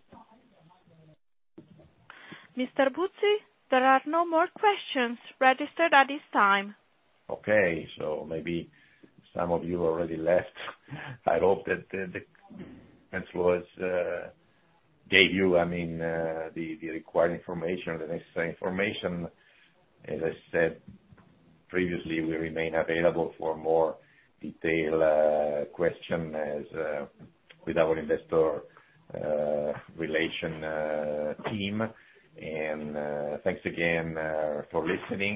Mr. Buzzi, there are no more questions registered at this time. Okay. Maybe some of you already left. I hope that the influence gave you, I mean, the required information, the necessary information. As I said previously, we remain available for more detail question as with our investor relation team. Thanks again for listening.